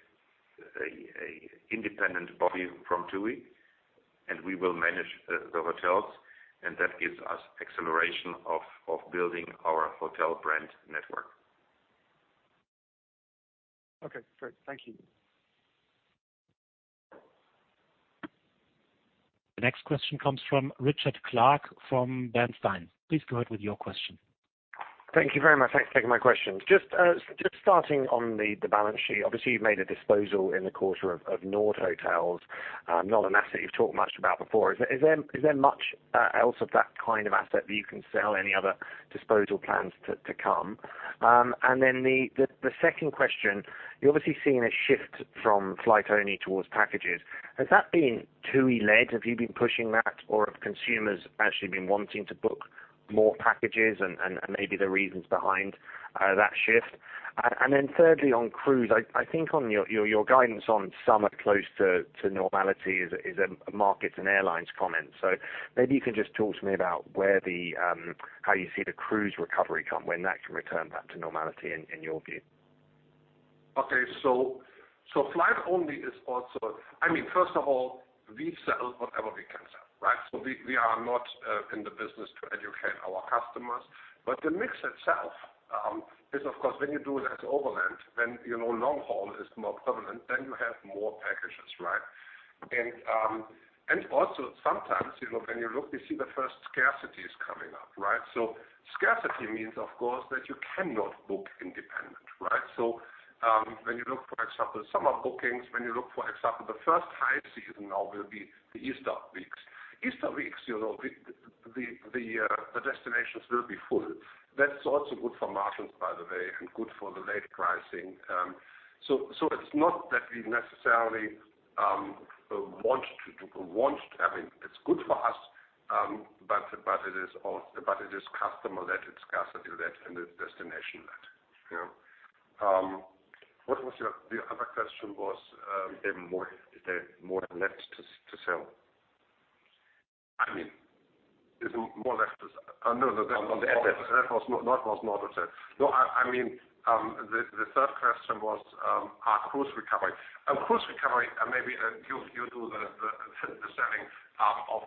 an independent body from TUI, and we will manage the hotels, and that gives us acceleration of building our hotel brand network. Okay, great. Thank you. The next question comes from Richard Clarke from Bernstein. Please go ahead with your question. Thank you very much. Thanks for taking my question. Just starting on the balance sheet. Obviously, you've made a disposal in the quarter of Nordotel Hotels. Not an asset you've talked much about before. Is there much else of that kind of asset that you can sell? Any other disposal plans to come? Then the second question, you're obviously seeing a shift from flight only towards packages. Has that been TUI-led? Have you been pushing that, or have consumers actually been wanting to book more packages and maybe the reasons behind that shift? Then thirdly, on cruise, I think on your guidance on summer close to normality is a markets and airlines comment. Maybe you can just talk to me about how you see the cruise recovery come, when that can return back to normality in your view. Okay. Flight only is also. I mean, first of all, we sell whatever we can sell, right? We are not in the business to educate our customers. The mix itself is of course, when you do it as overland, then you know, long-haul is more prevalent, then you have more packages, right? Also sometimes, you know, when you look, you see the first scarcity is coming up, right? Scarcity means, of course, that you cannot book independent, right? When you look, for example, summer bookings, when you look, for example, the first high season now will be the Easter weeks. Easter weeks, you know, the destinations will be full. That's also good for margins, by the way, and good for the late pricing. It's not that we necessarily want, I mean, it's good for us, but it is customer-led, it's scarcity-led, and it's destination-led. You know? The other question was, is there more left to sell? I mean, is more left to say. No, that was on the asset. That was not what I said. No, I mean, the third question was, are cruises recovering? Cruise recovery, maybe you do the selling of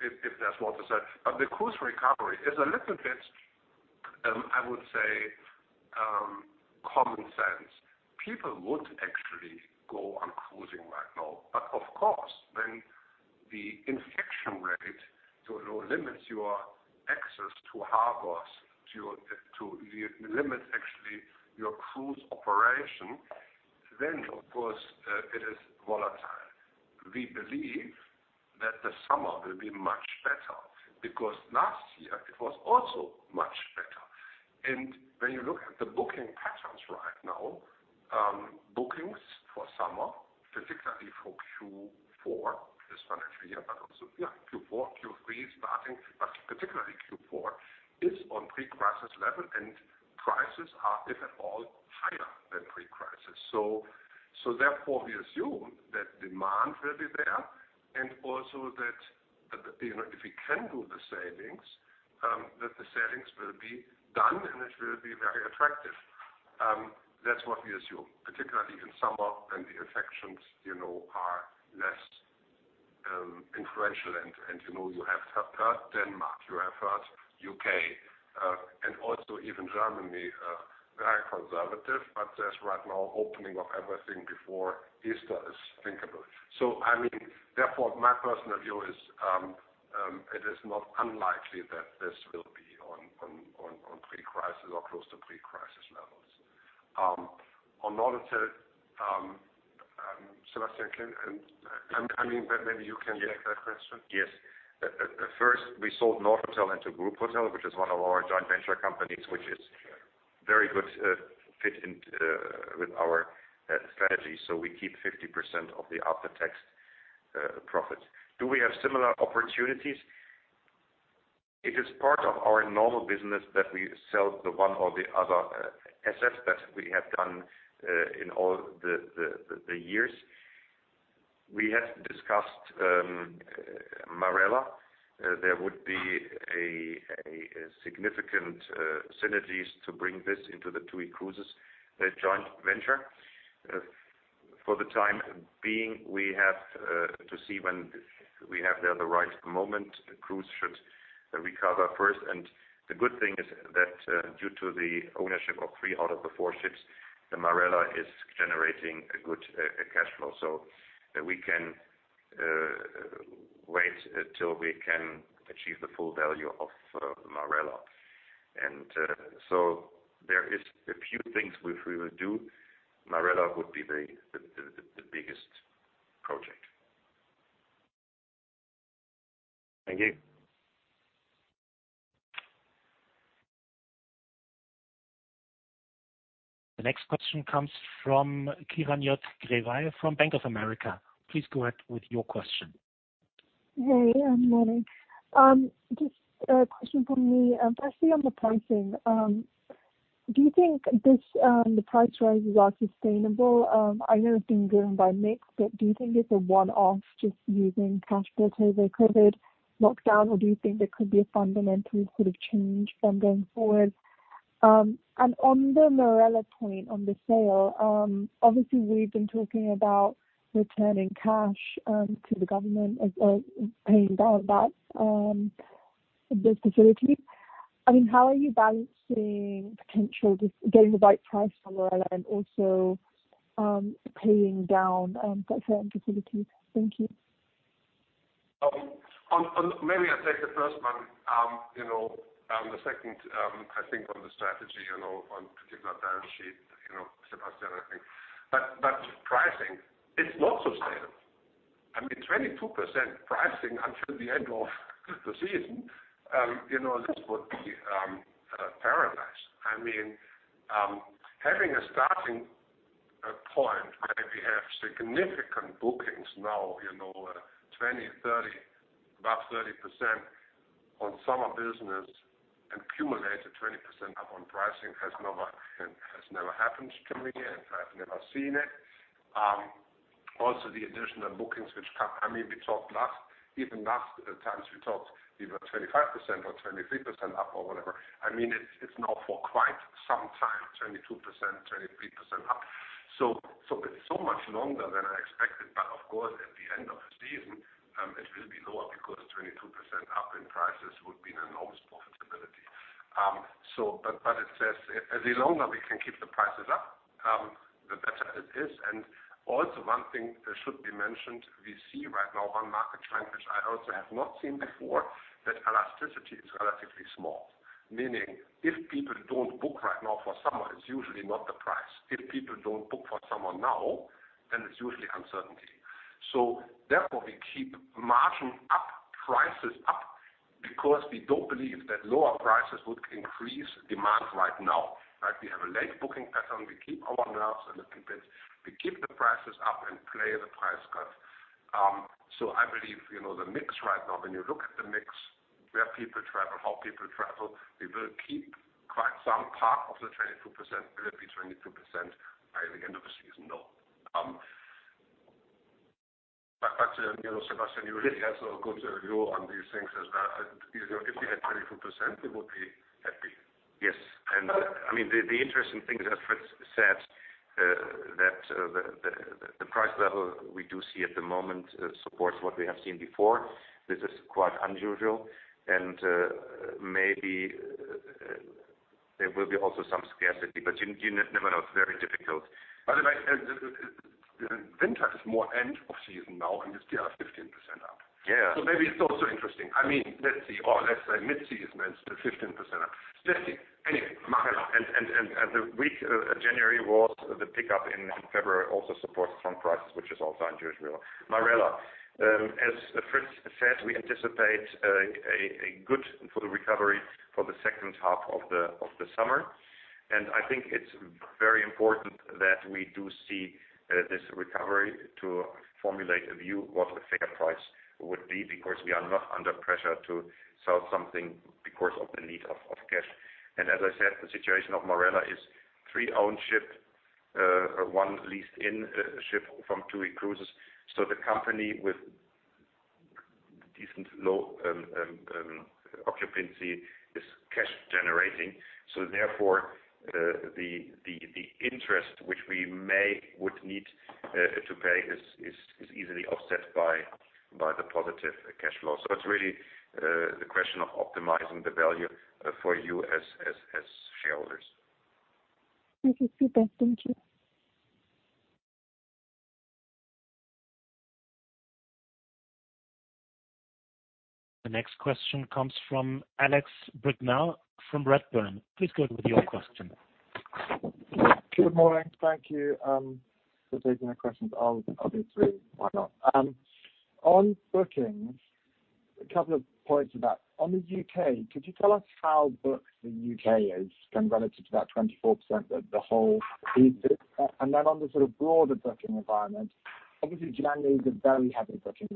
if there's more to sell. The cruise recovery is a little bit, I would say, common sense. People would actually go on cruising right now. Of course, when the infection rate, you know, limits your access to harbors, to it limits actually your cruise operation. Of course, it is volatile. We believe that the summer will be much better because last year it was also much better. When you look at the booking patterns right now, bookings for summer, particularly for Q4 this financial year, but also for Q3 starting, but particularly Q4, is on pre-crisis level, and prices are, if at all, higher than pre-crisis. Therefore, we assume that demand will be there and also that that, you know, if we can do the savings, that the savings will be done and it will be very attractive. That's what we assume, particularly in summer when the infections, you know, are less influential and, you know, you have had Denmark, you have had U.K., and also even Germany are very conservative, but there's right now opening of everything before Easter is thinkable. I mean, therefore, my personal view is, it is not unlikely that this will be on pre-crisis or close to pre-crisis levels. On Nordotel, Sebastian and I mean, maybe you can take that question. Yes. First we sold Nordotel into Grupotel, which is one of our joint venture companies, which is very good fit in with our strategy. We keep 50% of the after-tax profits. Do we have similar opportunities? It is part of our normal business that we sell the one or the other assets that we have done in all the years. We have discussed Marella. There would be a significant synergies to bring this into the TUI Cruises joint venture. For the time being, we have to see when we have the right moment. Cruise should recover first. The good thing is that, due to the ownership of three out of the four ships, the Marella is generating a good cash flow. We can wait until we can achieve the full value of Marella. There is a few things which we will do. Marella would be the biggest project. Thank you. The next question comes from Karan Puri from JPMorgan. Please go ahead with your question. Hey, morning. Just a question from me, firstly on the pricing. Do you think this the price rises are sustainable? I know it's been driven by mix, but do you think it's a one-off just using cash flow to recover lockdown? Or do you think there could be a fundamental sort of change going forward? On the Marella point on the sale, obviously we've been talking about returning cash to the government as paying down that this facility. I mean, how are you balancing potential just getting the right price for Marella and also paying down that same facility? Thank you. Maybe I take the first one. You know, the second, I think on the strategy, you know, on particular balance sheet, you know, Sebastian, I think. Pricing, it's not sustainable. I mean, 22% pricing until the end of the season, you know, this would be paradise. I mean, having a starting point where we have significant bookings now, you know, 20%, 30%, above 30% on summer business and cumulated 20% up on pricing has never happened to me, and I've never seen it. Also the additional bookings which come. I mean, we talked last, even last times we talked, we were 25% or 23% up or whatever. I mean, it's now for quite some time, 22%, 23% up. It's so much longer than I expected, but of course, at the end of the season, it will be lower because 22% up in prices would be an enormous profitability. It says as long as we can keep the prices up, the better it is. Also one thing that should be mentioned, we see right now one market trend, which I also have not seen before, that elasticity is relatively small. Meaning if people don't book right now for summer, it's usually not the price. If people don't book for summer now, then it's usually uncertainty. Therefore, we keep margin up, prices up, because we don't believe that lower prices would increase demand right now, right? We have a late booking pattern. We keep our nerves and we keep it. We keep the prices up and play the price cards. I believe, you know, the mix right now, when you look at the mix, where people travel, how people travel, we will keep quite some part of the 22%. Will it be 22% by the end of the season? No. But you know, Sebastian, you really have a good view on these things as well. You know, if we had 22%, we would be happy. Yes. I mean, the interesting thing as Fritz said, that the price level we do see at the moment supports what we have seen before. This is quite unusual. Maybe there will be also some scarcity, but you never know. It's very difficult. Otherwise, the winter is more end of season now and we still are 15% up. Yeah. Maybe it's also interesting. Let's say mid-season is still 15% up. The weak January was the pickup in February also supports strong prices, which is also unusual. Marella, as Fritz said, we anticipate a good full recovery for the second half of the summer. I think it's very important that we do see this recovery to formulate a view what a fair price would be, because we are not under pressure to sell something because of the need of cash. As I said, the situation of Marella is three owned ship, one leased in ship from TUI Cruises. The company with decent low occupancy is cash generating. Therefore, the interest which we would need to pay is easily offset by the positive cash flow. It's really the question of optimizing the value for you as shareholders. Okay, super. Thank you. The next question comes from Alex Brignall from Redburn. Please go with your question. Good morning. Thank you for taking the questions. I'll do three. Why not? On bookings, a couple of points on that. On the U.K., could you tell us how booked the U.K. Is and relative to that 24% of the whole fleet? Then on the sort of broader booking environment, obviously January is a very heavy booking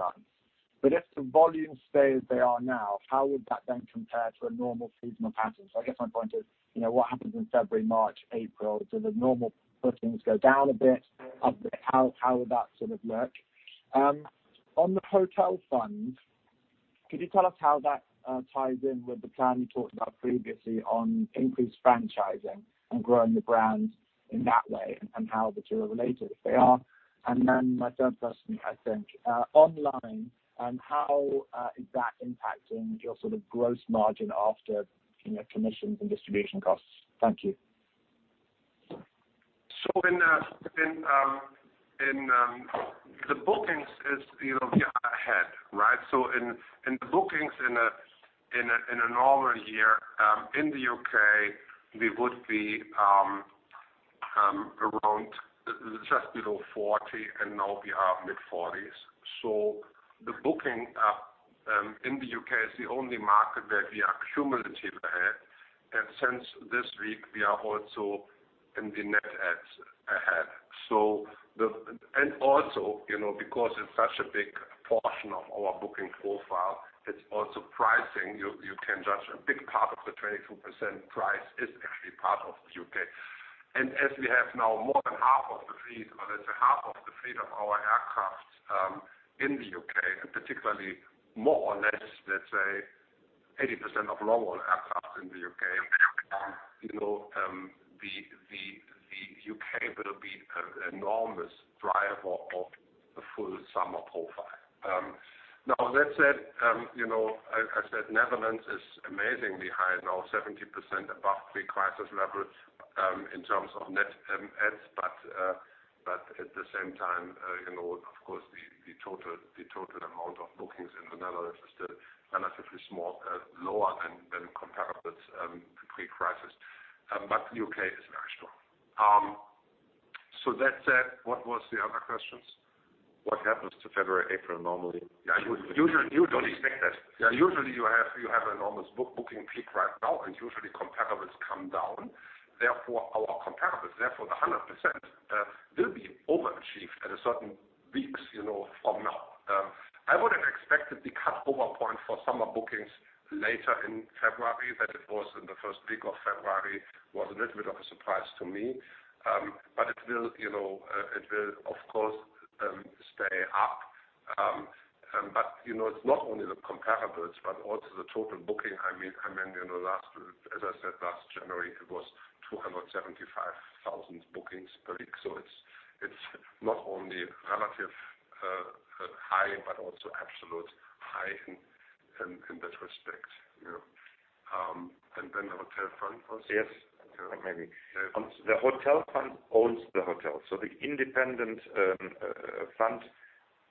month. If the volumes stay as they are now, how would that then compare to a normal seasonal pattern? I guess my point is, you know, what happens in February, March, April? Do the normal bookings go down a bit, up a bit? How would that sort of look? On the hotel fund, could you tell us how that ties in with the plan you talked about previously on increased franchising and growing the brand in that way and how the two are related, if they are? My third question, I think, online and how is that impacting your sort of gross margin after, you know, commissions and distribution costs? Thank you. In the bookings, you know, we are ahead, right? In the bookings in a normal year, in the U.K., we would be around just below 40 and now we are mid-40s. The booking in the U.K. is the only market where we are cumulative ahead. Since this week we are also in the net adds ahead. Also, you know, because it's such a big portion of our booking profile, it's also pricing. You can judge a big part of the 22% price is actually part of the U.K. As we have now more than half of the fleet, well let's say half of the fleet of our aircraft in the U.K., and particularly more or less, let's say 80% of long-haul aircraft in the U.K., you know, the U.K. will be an enormous driver of the full summer profile. Now that said, you know, I said Netherlands is amazingly high, now 70% above pre-crisis levels in terms of net adds. At the same time, you know, of course, the total amount of bookings in the Netherlands is still relatively small, lower than comparables pre-crisis. The U.K. is very strong. That said, what was the other questions? What happens to February, April normally? Yeah. Usually you have an enormous booking peak right now, and usually comparables come down. Therefore, our comparables, the 100% will be overachieved in certain weeks, you know, from now. I would have expected the crossover point for summer bookings later in February. That it was in the 1st week of February was a little bit of a surprise to me. It will, you know, of course stay up. You know, it's not only the comparables but also the total booking. I mean, you know, as I said, last January, it was 275,000 bookings per week. It's not only relatively high, but also absolutely high in that respect, you know. Then the hotel fund owns the hotel. The independent fund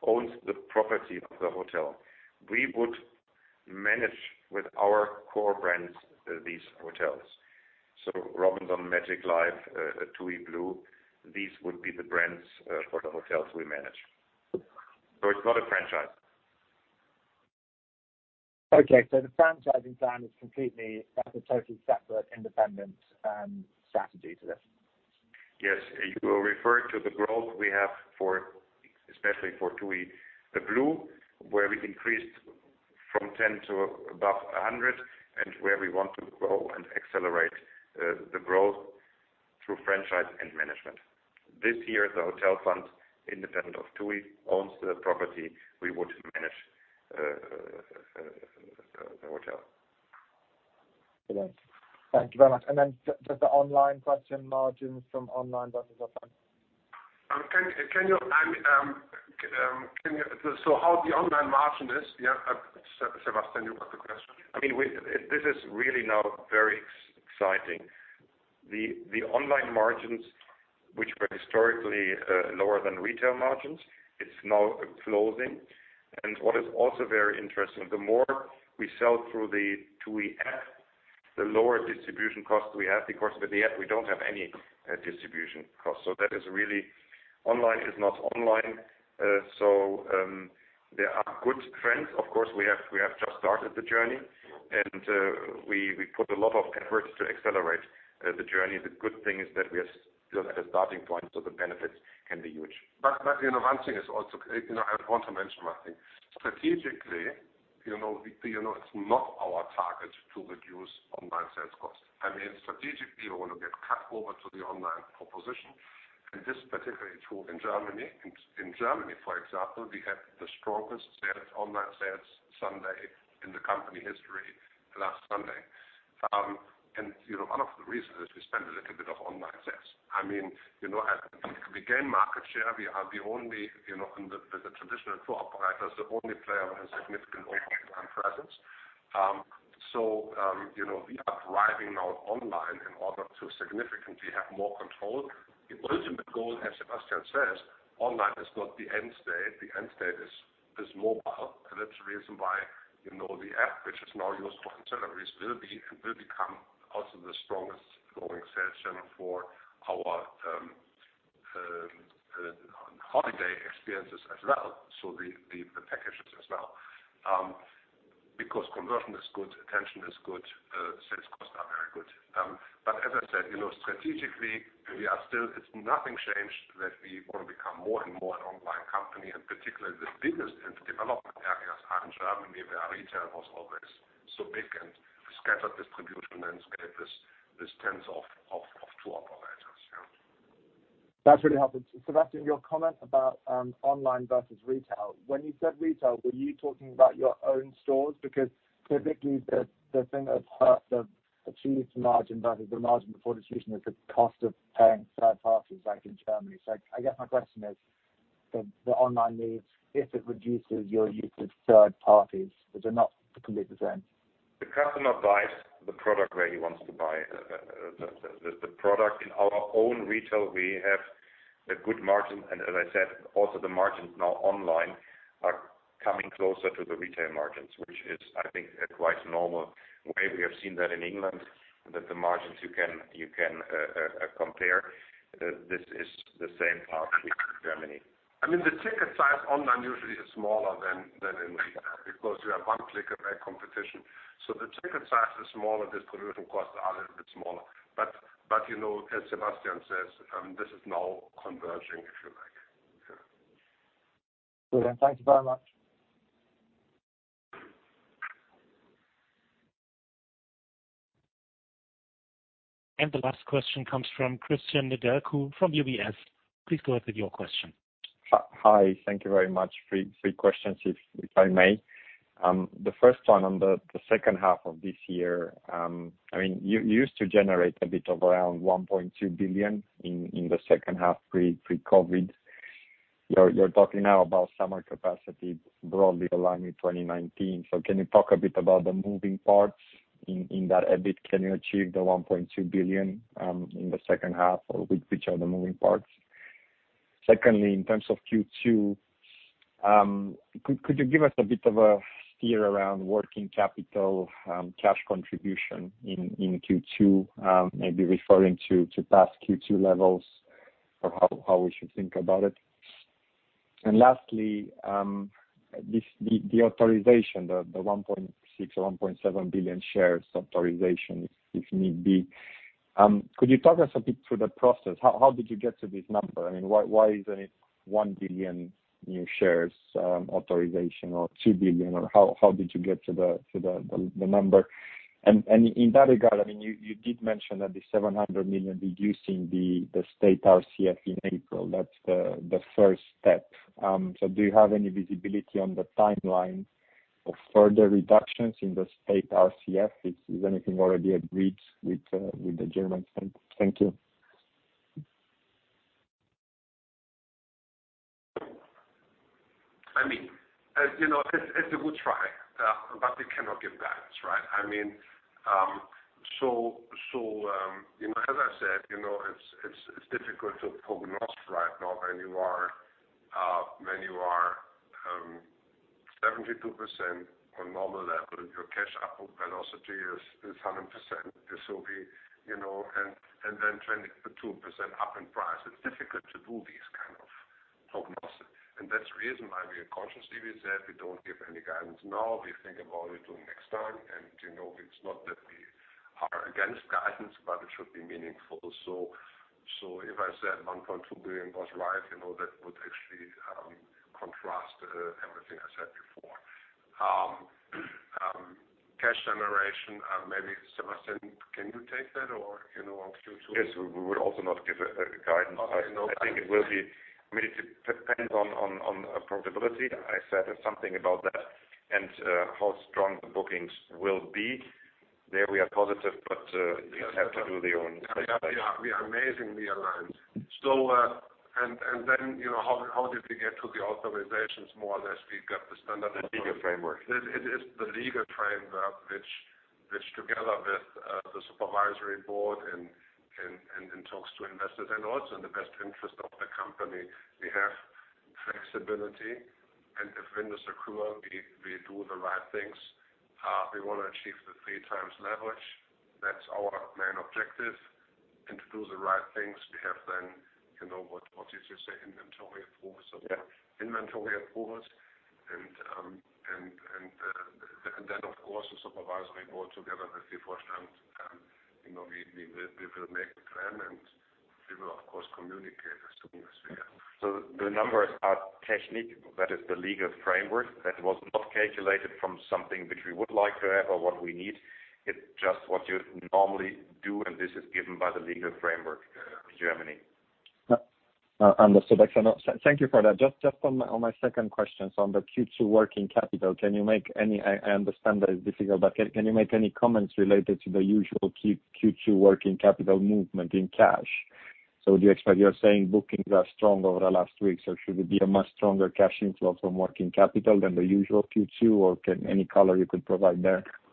owns the property of the hotel. We would manage with our core brands these hotels. ROBINSON, MAGIC LIFE, TUI BLUE, these would be the brands for the hotels we manage. It's not a franchise. Okay. The franchising plan is completely, that's a totally separate independent strategy to this. Yes. You refer to the growth we have for, especially for TUI BLUE, where we increased from 10 to above 100, and where we want to grow and accelerate the growth through franchise and management. This year, the hotel fund, independent of TUI, owns the property. We would manage the hotel. Thank you very much. Just the online question, margins from online bookings as well. Can you so how the online margin is? Yeah, Sebastian, you got the question. I mean, this is really now very exciting. The online margins, which were historically lower than retail margins, it's now closing. What is also very interesting, the more we sell through the app, the lower distribution costs we have because with the app we don't have any distribution costs. That is really online is not online. There are good trends. Of course, we have just started the journey and we put a lot of efforts to accelerate the journey. The good thing is that we are still at a starting point, so the benefits can be huge. You know, one thing is also, you know, I want to mention one thing. Strategically, you know, we, you know, it's not our target to reduce online sales costs. I mean, strategically, we want to get cut over to the online proposition, and this is particularly true in Germany. In Germany, for example, we had the strongest sales, online sales Sunday in the company history last Sunday. And you know, one of the reasons is we spend a little bit on online sales. I mean, you know, as we gain market share, we are the only, you know, in the traditional tour operators, the only player with a significant online presence. So, you know, we are driving online now in order to significantly have more control. The ultimate goal, as Sebastian says, online is not the end state. The end state is mobile, and that's the reason why, you know, the app, which is now used for itineraries, will become also the strongest growing sales channel for our holiday experiences as well, so the packages as well. Because conversion is good, attention is good, sales costs are very good. But as I said, you know, strategically we are still, it's nothing changed that we want to become more and more an online company, and particularly the biggest development areas are in Germany, where retail was always so big and scattered distribution landscape is tens of tour operators, yeah. That's really helpful. Sebastian, your comment about online versus retail. When you said retail, were you talking about your own stores? Because typically the thing that hurts the achieved margin versus the margin before the season is the cost of paying third parties like in Germany. I guess my question is the online needs, if it reduces your use of third parties, which are not completely the same. The customer buys the product where he wants to buy. The product in our own retail, we have a good margin, and as I said, also the margins now online are coming closer to the retail margins, which is, I think, a quite normal way. We have seen that in England, that the margins you can compare. This is the same path with Germany. I mean, the ticket size online usually is smaller than in retail because you have one-click away competition. The ticket size is smaller, distribution costs are a little bit smaller. You know, as Sebastian says, this is now converging, if you like. Yeah. Brilliant. Thank you very much. The last question comes from Cristian Nedelcu from UBS. Please go ahead with your question. Hi. Thank you very much. Three questions if I may. The first one on the second half of this year. I mean, you used to generate a bit of around 1.2 billion in the second half pre-COVID. You're talking now about summer capacity broadly aligning 2019. So can you talk a bit about the moving parts in that EBIT? Can you achieve the 1.2 billion in the second half? Or which are the moving parts? Secondly, in terms of Q2, could you give us a bit of a steer around working capital, cash contribution in Q2, maybe referring to past Q2 levels or how we should think about it? Lastly, the authorization, the 1.6 billion or 1.7 billion shares authorization, if need be, could you talk us a bit through the process? How did you get to this number? I mean, why isn't it 1 billion new shares authorization or 2 billion, or how did you get to the number? In that regard, I mean, you did mention that the 700 million reducing the state RCF in April, that's the first step. So do you have any visibility on the timeline of further reductions in the state RCF? Is anything already agreed with the Germans? Thank you. I mean, as you know, it's a good try, but we cannot give guidance, right? I mean, so you know, as I said, you know, it's difficult to prognose right now when you are 72% on normal level and your cash outflow velocity is 100%. This will be, you know, and then 22% up in price. It's difficult to do these kind of prognoses. That's the reason why we consciously said we don't give any guidance now. We think about it till next time. You know, it's not that we are against guidance, but it should be meaningful. If I said 1.2 billion was right, you know, that would actually contrast everything I said before. Cash generation, maybe Sebastian, can you take that or, you know, on Q2? Yes. We would also not give guidance. Okay. No guidance. I think it will be. I mean, it depends on affordability. I said something about that and how strong the bookings will be. We are positive there, but you have to do your own. We are amazingly aligned. You know, how did we get to the authorizations more or less? We got the standard. The legal framework. It is the legal framework which together with the supervisory board and talks to investors and also in the best interest of the company, we have flexibility and if windows occur, we do the right things. We wanna achieve the 3x leverage. That's our main objective. To do the right things, we have then, you know what did you say? Inventory approvals. Yeah. Inventory approvals. Of course, the Supervisory Board together with the first hand, you know, we will make a plan, and we will of course communicate as soon as we can. The numbers are technically. That is the legal framework that was not calculated from something which we would like to have or what we need. It's just what you normally do, and this is given by the legal framework in Germany. Understood. Excellent. Thank you for that. Just on my second question, so on the Q2 working capital, I understand that it's difficult, but can you make any comments related to the usual Q2 working capital movement in cash? You're saying bookings are strong over the last week, so should it be a much stronger cash inflow from working capital than the usual Q2, or can you provide any color there? I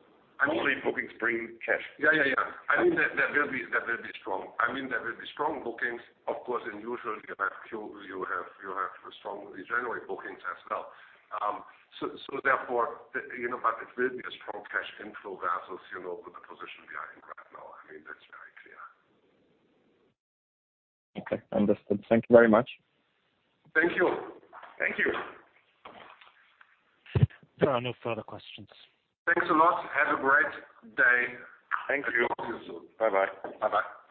believe bookings bring cash. Yeah, yeah. I mean, that will be strong. I mean, there will be strong bookings. Of course, as usual, you have Q1, you have a strong January bookings as well. So therefore, you know, but it will be a strong cash inflow versus, you know, with the position we are in right now. I mean, that's very clear. Okay, understood. Thank you very much. Thank you. Thank you. There are no further questions. Thanks a lot. Have a great day. Thank you. See you soon. Bye-bye. Bye-bye.